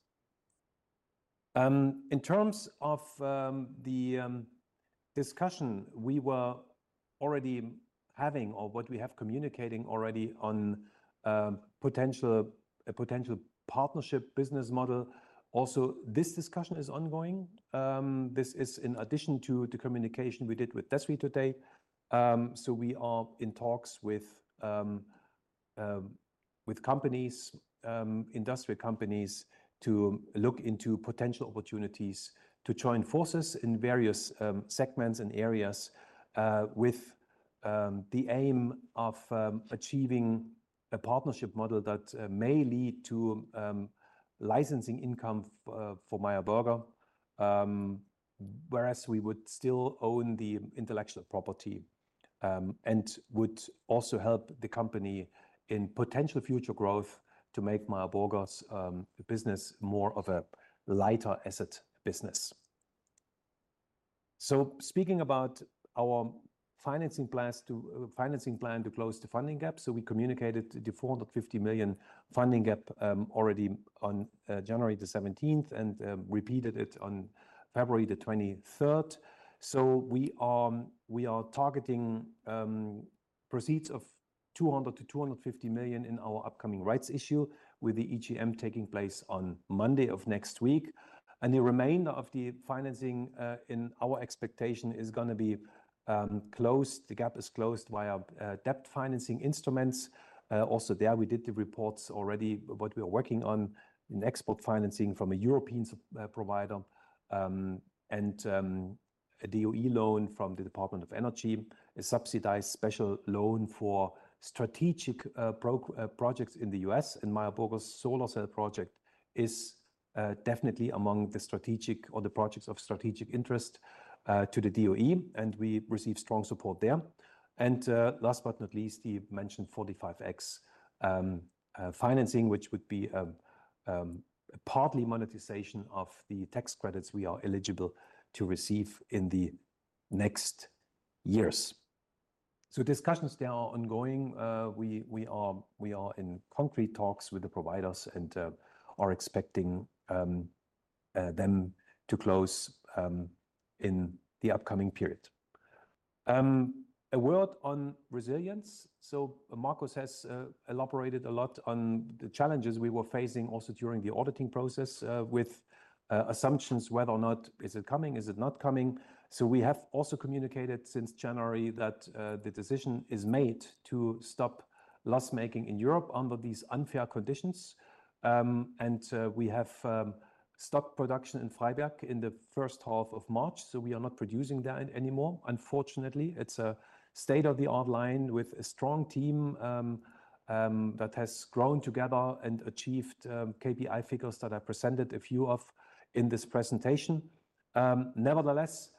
In terms of the discussion we were already having or what we have communicating already on a potential partnership business model, also this discussion is ongoing. This is in addition to the communication we did with DESRI today. So we are in talks with companies, industrial companies, to look into potential opportunities to join forces in various segments and areas with the aim of achieving a partnership model that may lead to licensing income for Meyer Burger, whereas we would still own the intellectual property and would also help the company in potential future growth to make Meyer Burger's business more of a lighter asset business. Speaking about our financing plan to close the funding gap, we communicated the 450 million funding gap already on January the 17th and repeated it on February the 23rd. We are targeting proceeds of 200 million-250 million in our upcoming rights issue with the EGM taking place on Monday of next week. The remainder of the financing, in our expectation, is going to be closed. The gap is closed via debt financing instruments. Also there, we did the reports already what we are working on in export financing from a European provider and a DOE loan from the Department of Energy, a subsidized special loan for strategic projects in the U.S. Meyer Burger's solar cell project is definitely among the strategic or the projects of strategic interest to the DOE, and we receive strong support there. Last but not least, the mentioned 45X financing, which would be partly monetization of the tax credits we are eligible to receive in the next years. Discussions there are ongoing. We are in concrete talks with the providers and are expecting them to close in the upcoming period. A word on resilience. Markus has elaborated a lot on the challenges we were facing also during the auditing process with assumptions whether or not is it coming, is it not coming. So we have also communicated since January that the decision is made to stop loss-making in Europe under these unfair conditions. And we have stopped production in Freiberg in the first half of March. So we are not producing there anymore, unfortunately. It's a state-of-the-art line with a strong team that has grown together and achieved KPI figures that I presented a few of in this presentation. Nevertheless,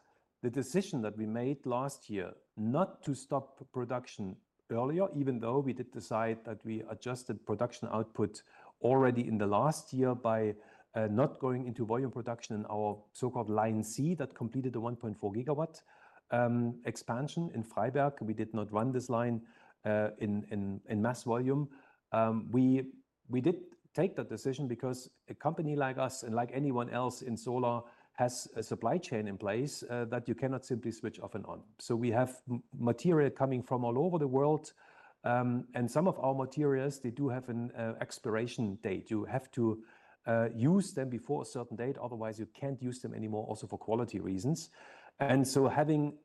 the decision that we made last year not to stop production earlier, even though we did decide that we adjusted production output already in the last year by not going into volume production in our so-called line C that completed the 1.4 GW expansion in Freiberg. We did not run this line in mass volume. We did take that decision because a company like us and like anyone else in solar has a supply chain in place that you cannot simply switch off and on. So we have material coming from all over the world. And some of our materials, they do have an expiration date. You have to use them before a certain date. Otherwise, you can't use them anymore, also for quality reasons. And so having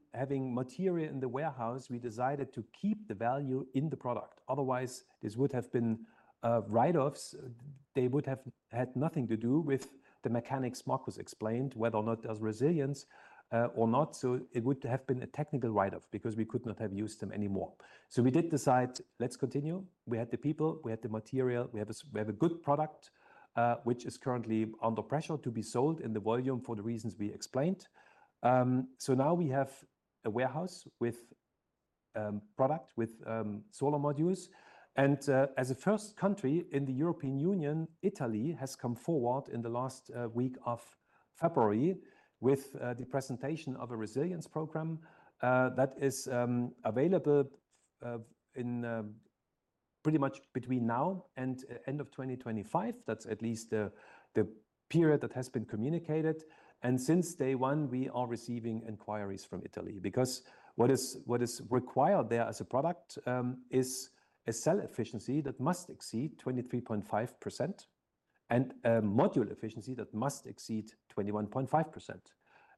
material in the warehouse, we decided to keep the value in the product. Otherwise, this would have been write-offs. They would have had nothing to do with the mechanics Markus explained, whether or not there's resilience or not. So it would have been a technical write-off because we could not have used them anymore. So we did decide, "Let's continue. We had the people. We had the material. We have a good product, which is currently under pressure to be sold in the volume for the reasons we explained." So now we have a warehouse with product, with solar modules. And as a first country in the European Union, Italy has come forward in the last week of February with the presentation of a resilience program that is available pretty much between now and end of 2025. That's at least the period that has been communicated. And since day one, we are receiving inquiries from Italy because what is required there as a product is a cell efficiency that must exceed 23.5% and a module efficiency that must exceed 21.5%.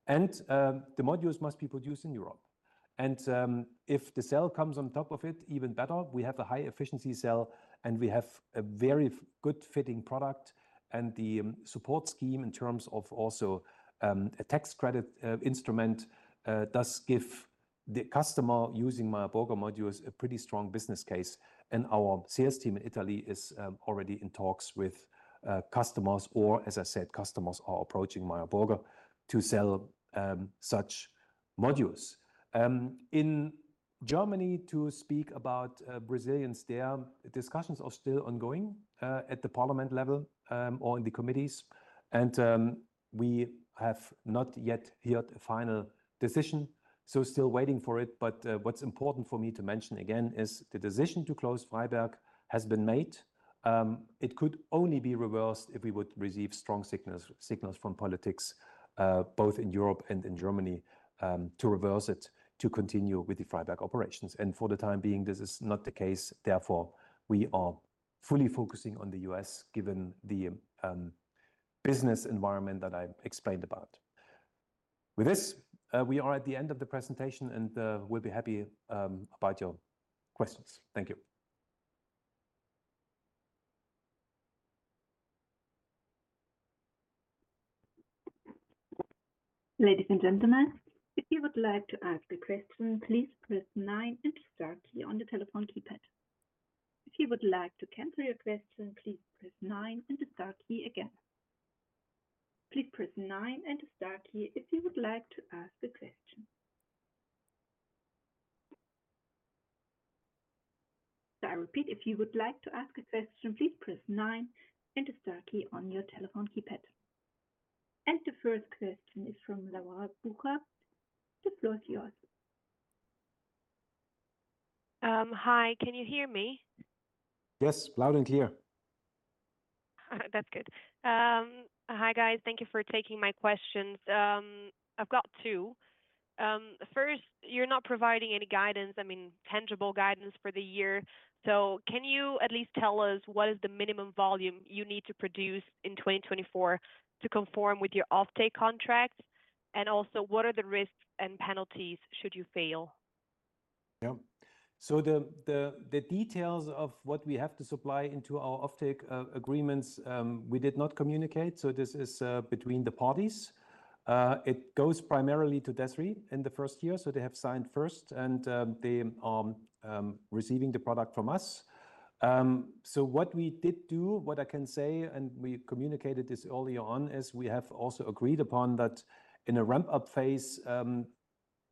And the modules must be produced in Europe. And if the cell comes on top of it, even better, we have a high-efficiency cell and we have a very good fitting product. The support scheme in terms of also a tax credit instrument does give the customer using Meyer Burger modules a pretty strong business case. Our sales team in Italy is already in talks with customers, or as I said, customers are approaching Meyer Burger to sell such modules. In Germany, to speak about resilience there, discussions are still ongoing at the parliament level or in the committees. We have not yet heard a final decision. Still waiting for it. What's important for me to mention again is the decision to close Freiberg has been made. It could only be reversed if we would receive strong signals from politics, both in Europe and in Germany, to reverse it, to continue with the Freiberg operations. For the time being, this is not the case. Therefore, we are fully focusing on the U.S. given the business environment that I explained about. With this, we are at the end of the presentation, and we'll be happy about your questions. Thank you. Ladies and gentlemen, if you would like to ask a question, please press 9 and the star key on the telephone keypad. If you would like to cancel your question, please press 9 and the star key again. Please press 9 and the star key if you would like to ask a question. So I repeat, if you would like to ask a question, please press 9 and the star key on your telephone keypad. And the first question is from Laura Boucher. The floor is yours. Hi, can you hear me? Yes, loud and clear. That's good. Hi guys, thank you for taking my questions. I've got two. First, you're not providing any guidance, I mean, tangible guidance for the year. So can you at least tell us what is the minimum volume you need to produce in 2024 to conform with your offtake contract? And also, what are the risks and penalties should you fail? Yep. So the details of what we have to supply into our offtake agreements, we did not communicate. So this is between the parties. It goes primarily to DESRI in the first year. So they have signed first, and they are receiving the product from us. So what we did do, what I can say, and we communicated this earlier on, is we have also agreed upon that in a ramp-up phase,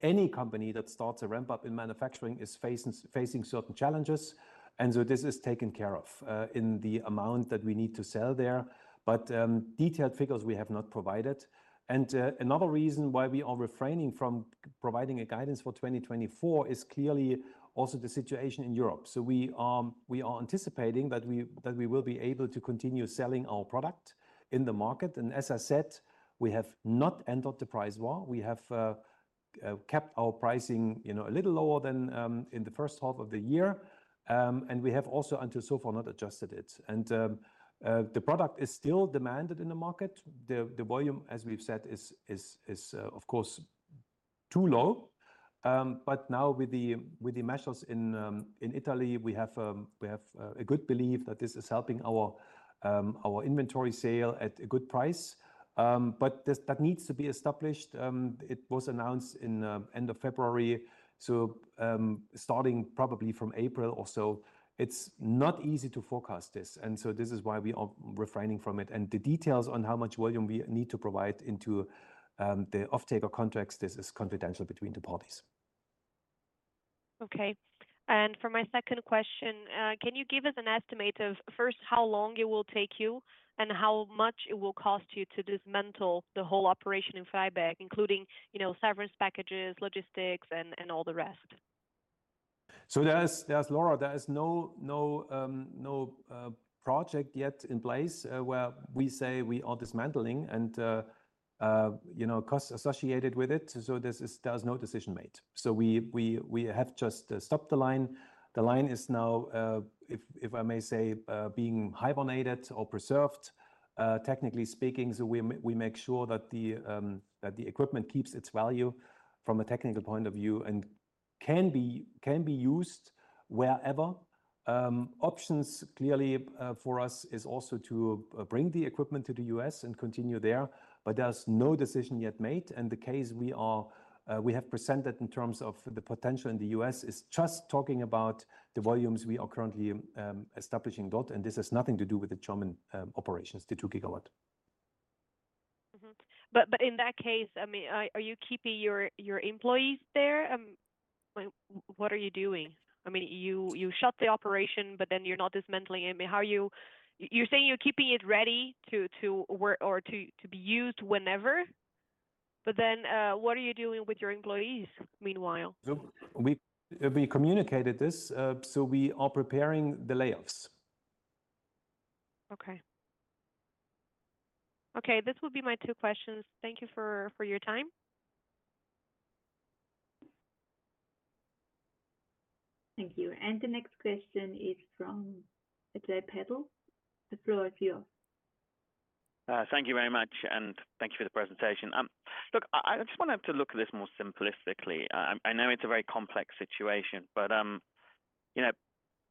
any company that starts a ramp-up in manufacturing is facing certain challenges. And so this is taken care of in the amount that we need to sell there. But detailed figures we have not provided. And another reason why we are refraining from providing a guidance for 2024 is clearly also the situation in Europe. So we are anticipating that we will be able to continue selling our product in the market. And as I said, we have not entered the price war. We have kept our pricing a little lower than in the first half of the year. And we have also, until so far, not adjusted it. And the product is still demanded in the market. The volume, as we've said, is, of course, too low. But now with the measures in Italy, we have a good belief that this is helping our inventory sale at a good price. But that needs to be established. It was announced in the end of February. So starting probably from April or so, it's not easy to forecast this. And so this is why we are refraining from it. And the details on how much volume we need to provide into the offtaker contracts, this is confidential between the parties. Okay. And for my second question, can you give us an estimate of first how long it will take you and how much it will cost you to dismantle the whole operation in Freiberg, including severance packages, logistics, and all the rest? So there's, Laura, there is no project yet in place where we say we are dismantling and cost associated with it. So there's no decision made. So we have just stopped the line. The line is now, if I may say, being hibernated or preserved, technically speaking. So we make sure that the equipment keeps its value from a technical point of view and can be used wherever. Options clearly for us is also to bring the equipment to the U.S. and continue there. But there's no decision yet made. And the case we have presented in terms of the potential in the U.S. is just talking about the volumes we are currently establishing. And this has nothing to do with the German operations, the 2 GW. But in that case, I mean, are you keeping your employees there? What are you doing? I mean, you shut the operation, but then you're not dismantling it. I mean, you're saying you're keeping it ready to work or to be used whenever. But then what are you doing with your employees meanwhile? We communicated this. We are preparing the layoffs. Okay. Okay, this would be my two questions. Thank you for your time. Thank you. The next question is from Jay Patel. The floor is yours. Thank you very much. And thank you for the presentation. Look, I just wanted to look at this more simplistically. I know it's a very complex situation, but at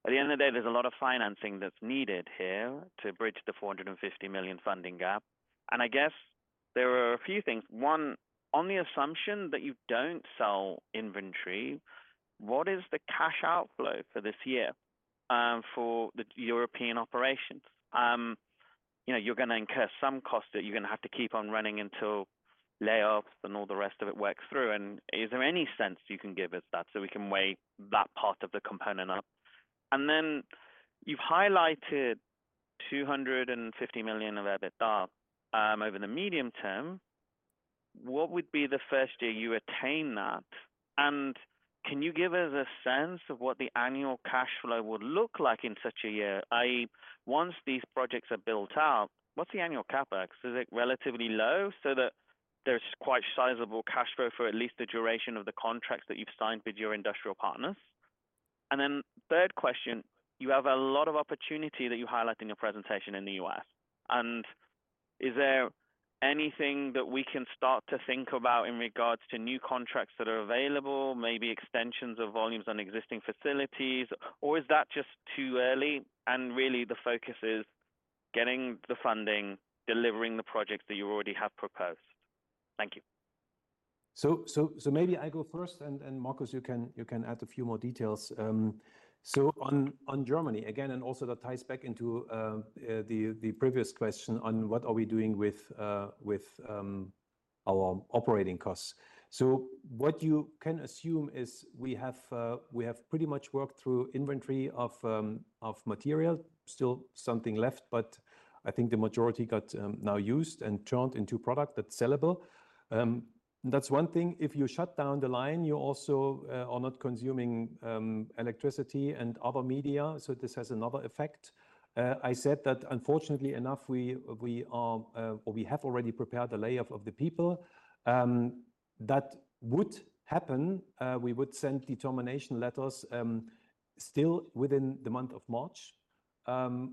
the end of the day, there's a lot of financing that's needed here to bridge the 450 million funding gap. And I guess there are a few things. One, on the assumption that you don't sell inventory, what is the cash outflow for this year for the European operations? You're going to incur some cost that you're going to have to keep on running until layoffs and all the rest of it works through. And is there any sense you can give us that so we can weigh that part of the component up? And then you've highlighted 250 million of EBITDA over the medium term. What would be the first year you attain that? Can you give us a sense of what the annual cash flow would look like in such a year? Once these projects are built out, what's the annual CapEx? Is it relatively low so that there's quite sizable cash flow for at least the duration of the contracts that you've signed with your industrial partners? And then third question, you have a lot of opportunity that you highlight in your presentation in the U.S. And is there anything that we can start to think about in regards to new contracts that are available, maybe extensions of volumes on existing facilities, or is that just too early? And really, the focus is getting the funding, delivering the projects that you already have proposed. Thank you. So maybe I go first, and Markus, you can add a few more details. So on Germany, again, and also that ties back into the previous question on what are we doing with our operating costs. So what you can assume is we have pretty much worked through inventory of material. Still something left, but I think the majority got now used and turned into product that's sellable. That's one thing. If you shut down the line, you also are not consuming electricity and other media. So this has another effect. I said that, unfortunately enough, we have already prepared a layoff of the people. That would happen. We would send termination letters still within the month of March.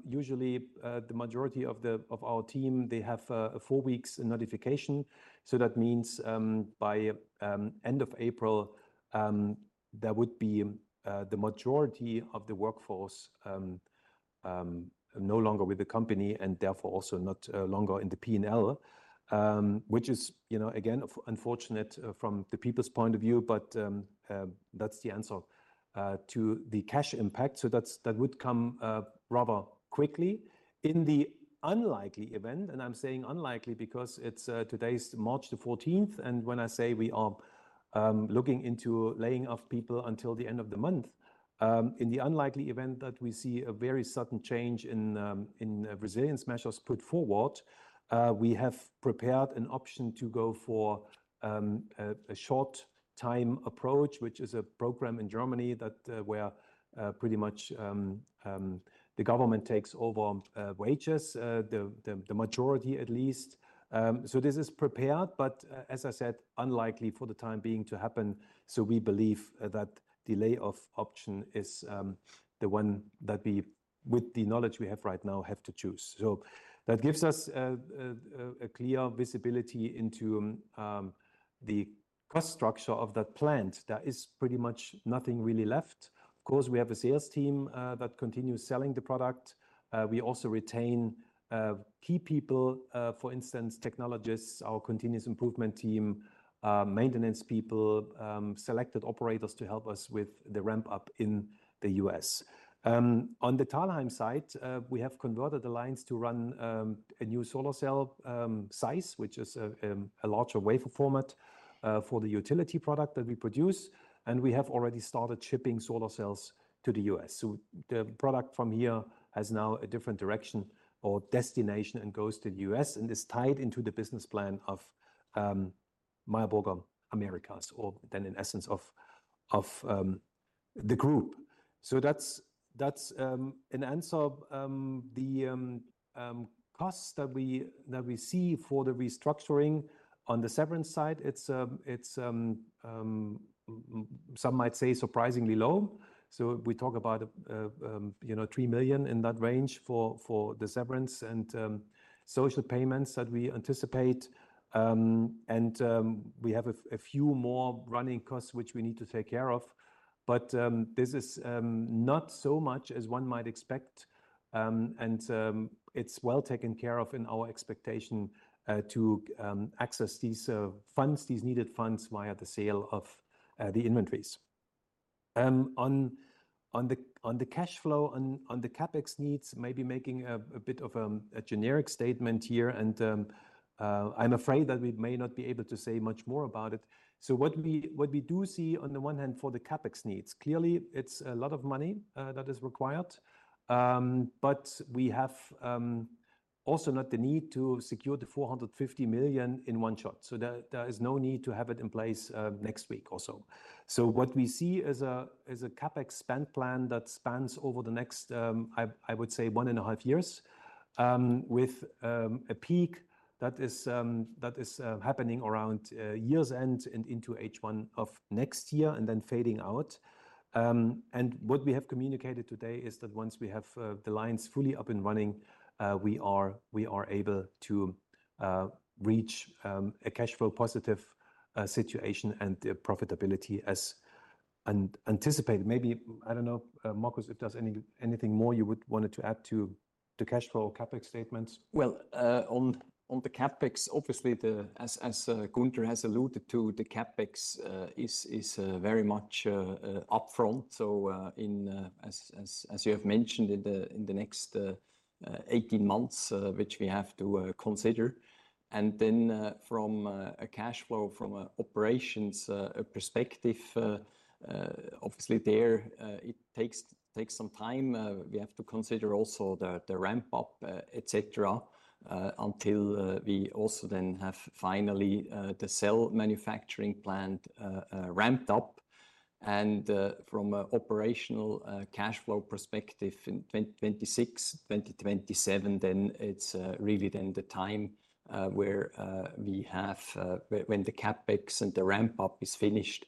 Usually, the majority of our team, they have four weeks' notification. So that means by end of April, there would be the majority of the workforce no longer with the company and therefore also no longer in the P&L, which is, again, unfortunate from the people's point of view, but that's the answer to the cash impact. So that would come rather quickly. In the unlikely event, and I'm saying unlikely because it's today's March 14th, and when I say we are looking into laying off people until the end of the month, in the unlikely event that we see a very sudden change in resilience measures put forward, we have prepared an option to go for a short-time approach, which is a program in Germany where pretty much the government takes over wages, the majority at least. So this is prepared, but as I said, unlikely for the time being to happen. So we believe that the layoff option is the one that we, with the knowledge we have right now, have to choose. So that gives us a clear visibility into the cost structure of that plant. There is pretty much nothing really left. Of course, we have a sales team that continues selling the product. We also retain key people, for instance, technologists, our continuous improvement team, maintenance people, selected operators to help us with the ramp-up in the U.S. On the Thalheim side, we have converted the lines to run a new solar cell size, which is a larger wafer format for the utility product that we produce. And we have already started shipping solar cells to the U.S. So the product from here has now a different direction or destination and goes to the U.S. and is tied into the business plan of Meyer Burger Americas or then, in essence, of the group. So that's an answer. The costs that we see for the restructuring on the severance side, some might say surprisingly low. So we talk about 3 million in that range for the severance and social payments that we anticipate. And we have a few more running costs, which we need to take care of. But this is not so much as one might expect. And it's well taken care of in our expectation to access these funds, these needed funds via the sale of the inventories. On the cash flow, on the capex needs, maybe making a bit of a generic statement here. I'm afraid that we may not be able to say much more about it. What we do see on the one hand for the CapEx needs, clearly, it's a lot of money that is required. We have also not the need to secure the 450 million in one shot. There is no need to have it in place next week also. What we see is a CapEx spend plan that spans over the next, I would say, one and a half years with a peak that is happening around year's end and into H1 of next year and then fading out. What we have communicated today is that once we have the lines fully up and running, we are able to reach a cash flow positive situation and profitability as anticipated. Maybe, I don't know, Markus, if there's anything more you would want to add to the cash flow or CapEx statements. Well, on the CapEx, obviously, as Gunter has alluded to, the CapEx is very much upfront. So as you have mentioned, in the next 18 months, which we have to consider. And then from a cash flow, from an operations perspective, obviously, there, it takes some time. We have to consider also the ramp-up, etc., until we also then have finally the cell manufacturing plant ramped up. And from an operational cash flow perspective, in 2026, 2027, then it's really then the time where we have, when the CapEx and the ramp-up is finished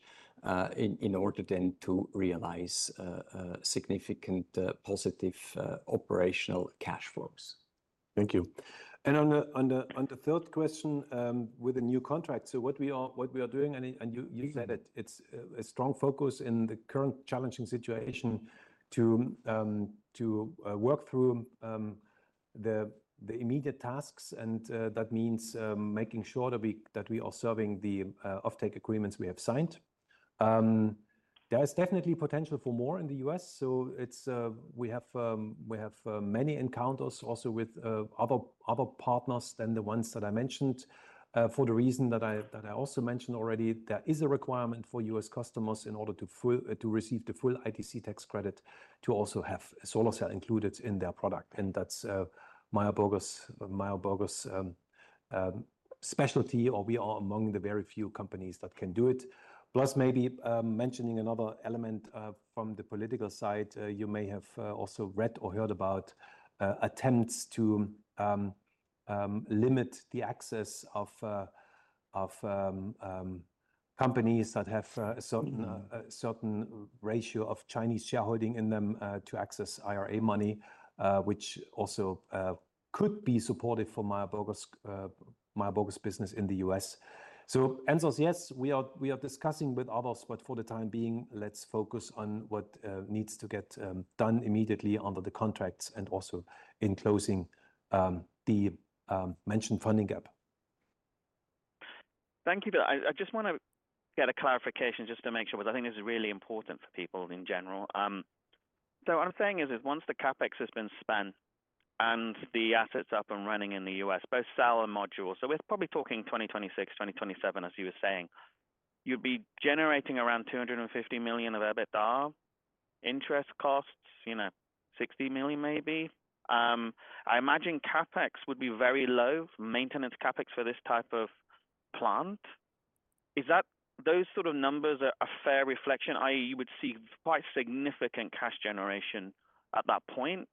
in order then to realize significant positive operational cash flows. Thank you. On the third question with the new contracts, so what we are doing, and you said it, it's a strong focus in the current challenging situation to work through the immediate tasks. That means making sure that we are serving the offtake agreements we have signed. There is definitely potential for more in the U.S. So we have many encounters also with other partners than the ones that I mentioned. For the reason that I also mentioned already, there is a requirement for U.S. customers in order to receive the full ITC tax credit to also have a solar cell included in their product. And that's Meyer Burger's specialty, or we are among the very few companies that can do it. Plus, maybe mentioning another element from the political side, you may have also read or heard about attempts to limit the access of companies that have a certain ratio of Chinese shareholding in them to access IRA money, which also could be supportive for Meyer Burger's business in the U.S. So answer is yes, we are discussing with others, but for the time being, let's focus on what needs to get done immediately under the contracts and also in closing the mentioned funding gap. Thank you. But I just want to get a clarification just to make sure because I think this is really important for people in general. So what I'm saying is, once the CapEx has been spent and the assets up and running in the U.S., both cell and module, so we're probably talking 2026, 2027, as you were saying, you'd be generating around $250 million of EBITDA, interest costs, $60 million maybe. I imagine CapEx would be very low, maintenance CapEx for this type of plant. Those sort of numbers are a fair reflection, i.e., you would see quite significant cash generation at that point.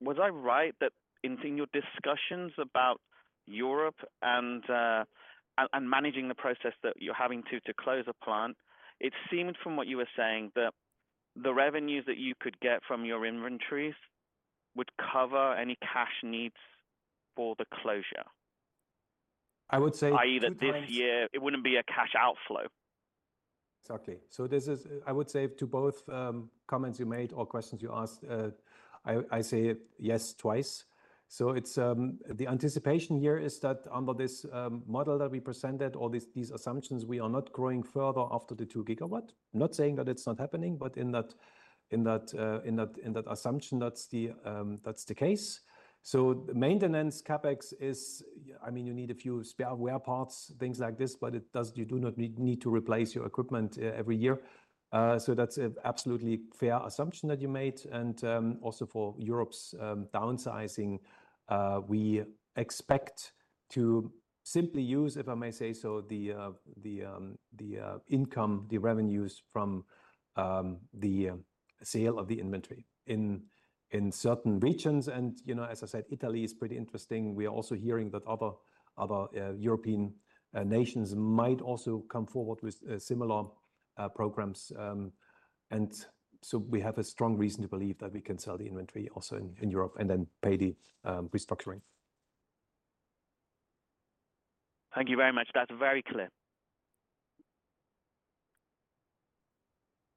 Was I right that in your discussions about Europe and managing the process that you're having to close a plant, it seemed from what you were saying that the revenues that you could get from your inventories would cover any cash needs for the closure? I would say twice. I either this year, it wouldn't be a cash outflow. Exactly. So I would say to both comments you made or questions you asked, I say yes twice. So the anticipation here is that under this model that we presented, all these assumptions, we are not growing further after the 2 GW. I'm not saying that it's not happening, but in that assumption, that's the case. So maintenance CapEx is, I mean, you need a few spare wear parts, things like this, but you do not need to replace your equipment every year. So that's an absolutely fair assumption that you made. And also for Europe's downsizing, we expect to simply use, if I may say so, the income, the revenues from the sale of the inventory in certain regions. And as I said, Italy is pretty interesting. We are also hearing that other European nations might also come forward with similar programs. And so we have a strong reason to believe that we can sell the inventory also in Europe and then pay the restructuring. Thank you very much. That's very clear.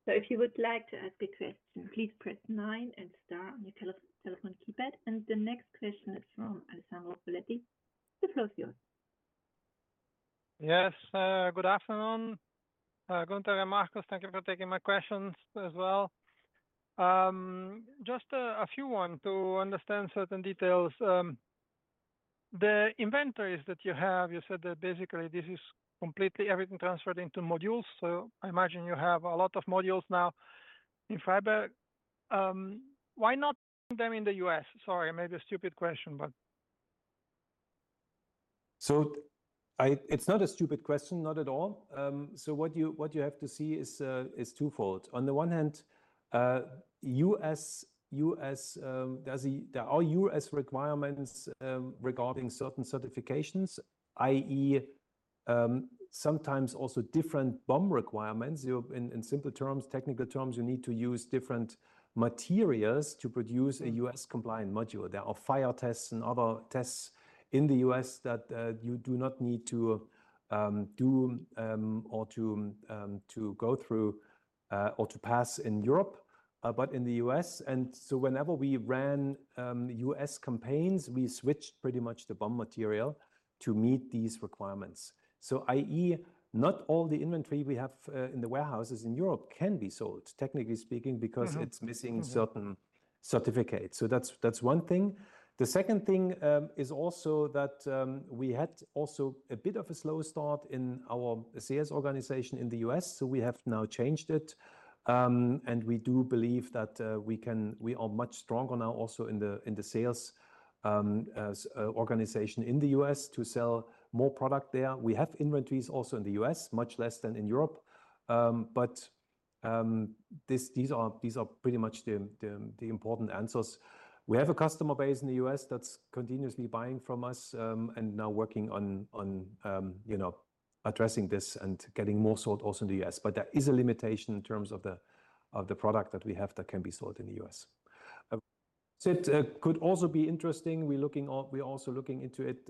If you would like to ask a question, please press 9 and star on your telephone keypad. The next question is from Alessandro Foletti. The floor is yours. Yes. Good afternoon. Gunter and Markus, thank you for taking my questions as well. Just a few ones to understand certain details. The inventories that you have, you said that basically this is completely everything transferred into modules. So I imagine you have a lot of modules now in Freiberg. Why not bring them in the U.S? Sorry, maybe a stupid question, but. So it's not a stupid question, not at all. So what you have to see is twofold. On the one hand, there are U.S. requirements regarding certain certifications, i.e., sometimes also different BOM requirements. In simple terms, technical terms, you need to use different materials to produce a U.S.-compliant module. There are fire tests and other tests in the U.S. that you do not need to do or to go through or to pass in Europe, but in the U.S. And so whenever we ran U.S. campaigns, we switched pretty much the BOM material to meet these requirements. So i.e., not all the inventory we have in the warehouses in Europe can be sold, technically speaking, because it's missing certain certificates. So that's one thing. The second thing is also that we had also a bit of a slow start in our sales organization in the U.S. We have now changed it. We do believe that we are much stronger now also in the sales organization in the U.S. to sell more product there. We have inventories also in the U.S., much less than in Europe. These are pretty much the important answers. We have a customer base in the U.S. that's continuously buying from us and now working on addressing this and getting more sold also in the U.S. There is a limitation in terms of the product that we have that can be sold in the U.S. It could also be interesting. We're also looking into it.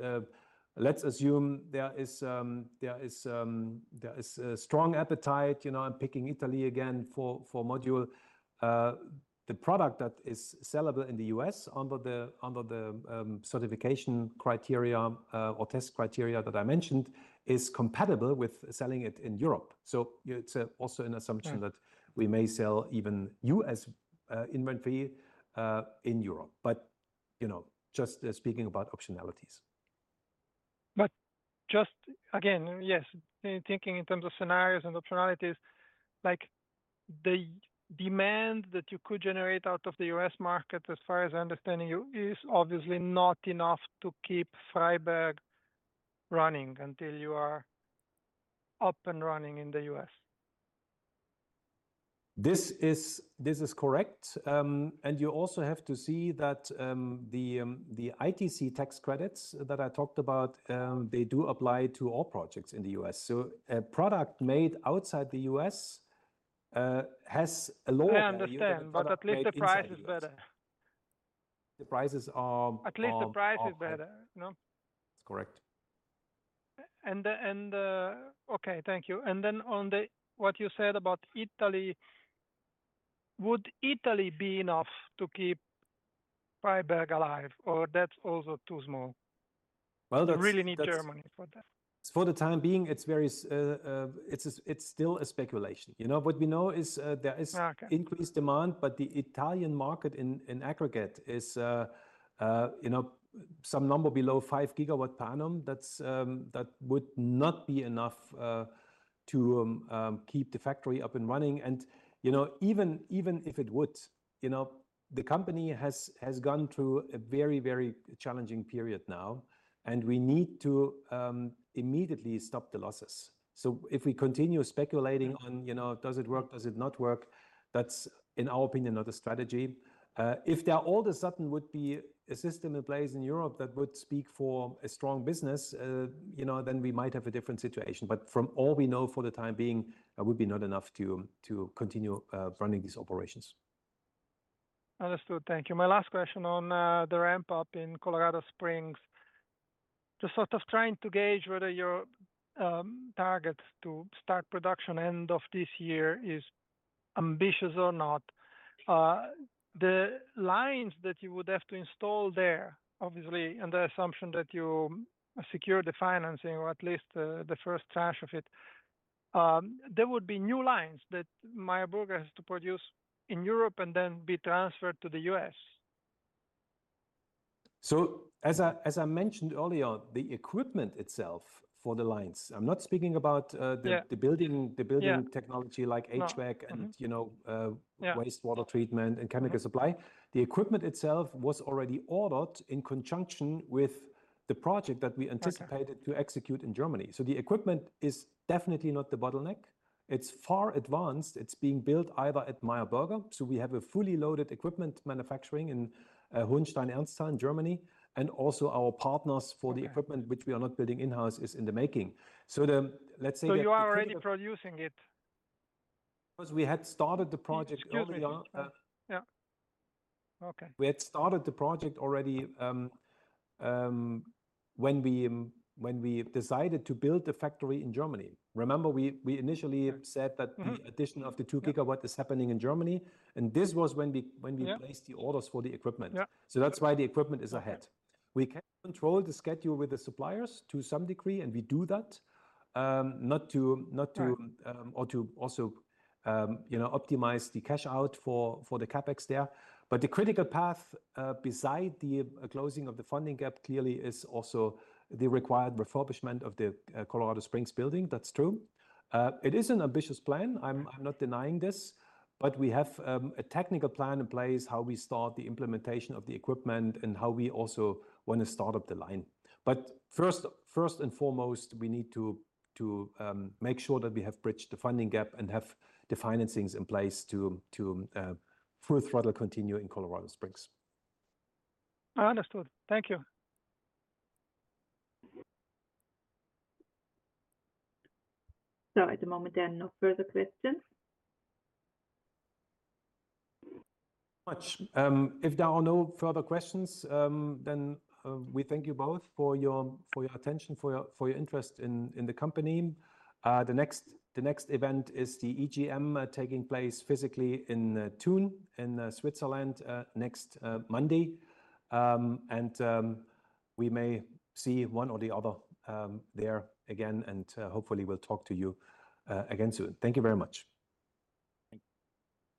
Let's assume there is a strong appetite. I'm picking Italy again for module. The product that is sellable in the U.S. under the certification criteria or test criteria that I mentioned is compatible with selling it in Europe. So it's also an assumption that we may sell even U.S. inventory in Europe, but just speaking about optionalities. Just again, yes, thinking in terms of scenarios and optionalities, the demand that you could generate out of the U.S. market, as far as I understand you, is obviously not enough to keep Freiberg running until you are up and running in the U.S. This is correct. You also have to see that the ITC tax credits that I talked about, they do apply to all projects in the U.S. A product made outside the U.S. has a lower value. Yeah, I understand. But at least the price is better. The prices are lower. At least the price is better. That's correct. Okay, thank you. And then on what you said about Italy, would Italy be enough to keep Freiberg alive, or that's also too small? We really need Germany for that. For the time being, it's still a speculation. What we know is there is increased demand, but the Italian market in aggregate is some number below 5 GW per annum. That would not be enough to keep the factory up and running. And even if it would, the company has gone through a very, very challenging period now. And we need to immediately stop the losses. So if we continue speculating on, does it work, does it not work, that's, in our opinion, not a strategy. If there all of a sudden would be a system in place in Europe that would speak for a strong business, then we might have a different situation. But from all we know for the time being, it would be not enough to continue running these operations. Understood. Thank you. My last question on the ramp-up in Colorado Springs. Just sort of trying to gauge whether your target to start production end of this year is ambitious or not. The lines that you would have to install there, obviously, under the assumption that you secure the financing or at least the first tranche of it, there would be new lines that Meyer Burger has to produce in Europe and then be transferred to the U.S. So as I mentioned earlier, the equipment itself for the lines, I'm not speaking about the building technology like HVAC and wastewater treatment and chemical supply. The equipment itself was already ordered in conjunction with the project that we anticipated to execute in Germany. So the equipment is definitely not the bottleneck. It's far advanced. It's being built either at Meyer Burger. So we have a fully loaded equipment manufacturing in Hohenstein-Ernstthal, Germany. And also our partners for the equipment, which we are not building in-house, is in the making. So let's say that. So you are already producing it. Because we had started the project earlier. Excuse me. Yeah. Okay. We had started the project already when we decided to build the factory in Germany. Remember, we initially said that the addition of the 2 GW is happening in Germany. And this was when we placed the orders for the equipment. So that's why the equipment is ahead. We can control the schedule with the suppliers to some degree, and we do that, not to or to also optimize the cash out for the CapEx there. But the critical path beside the closing of the funding gap clearly is also the required refurbishment of the Colorado Springs building. That's true. It is an ambitious plan. I'm not denying this. But we have a technical plan in place how we start the implementation of the equipment and how we also want to start up the line. First and foremost, we need to make sure that we have bridged the funding gap and have the financings in place to full throttle continue in Colorado Springs. Understood. Thank you. At the moment, there are no further questions. Much. If there are no further questions, then we thank you both for your attention, for your interest in the company. The next event is the EGM taking place physically in Thun in Switzerland next Monday. We may see one or the other there again, and hopefully, we'll talk to you again soon. Thank you very much.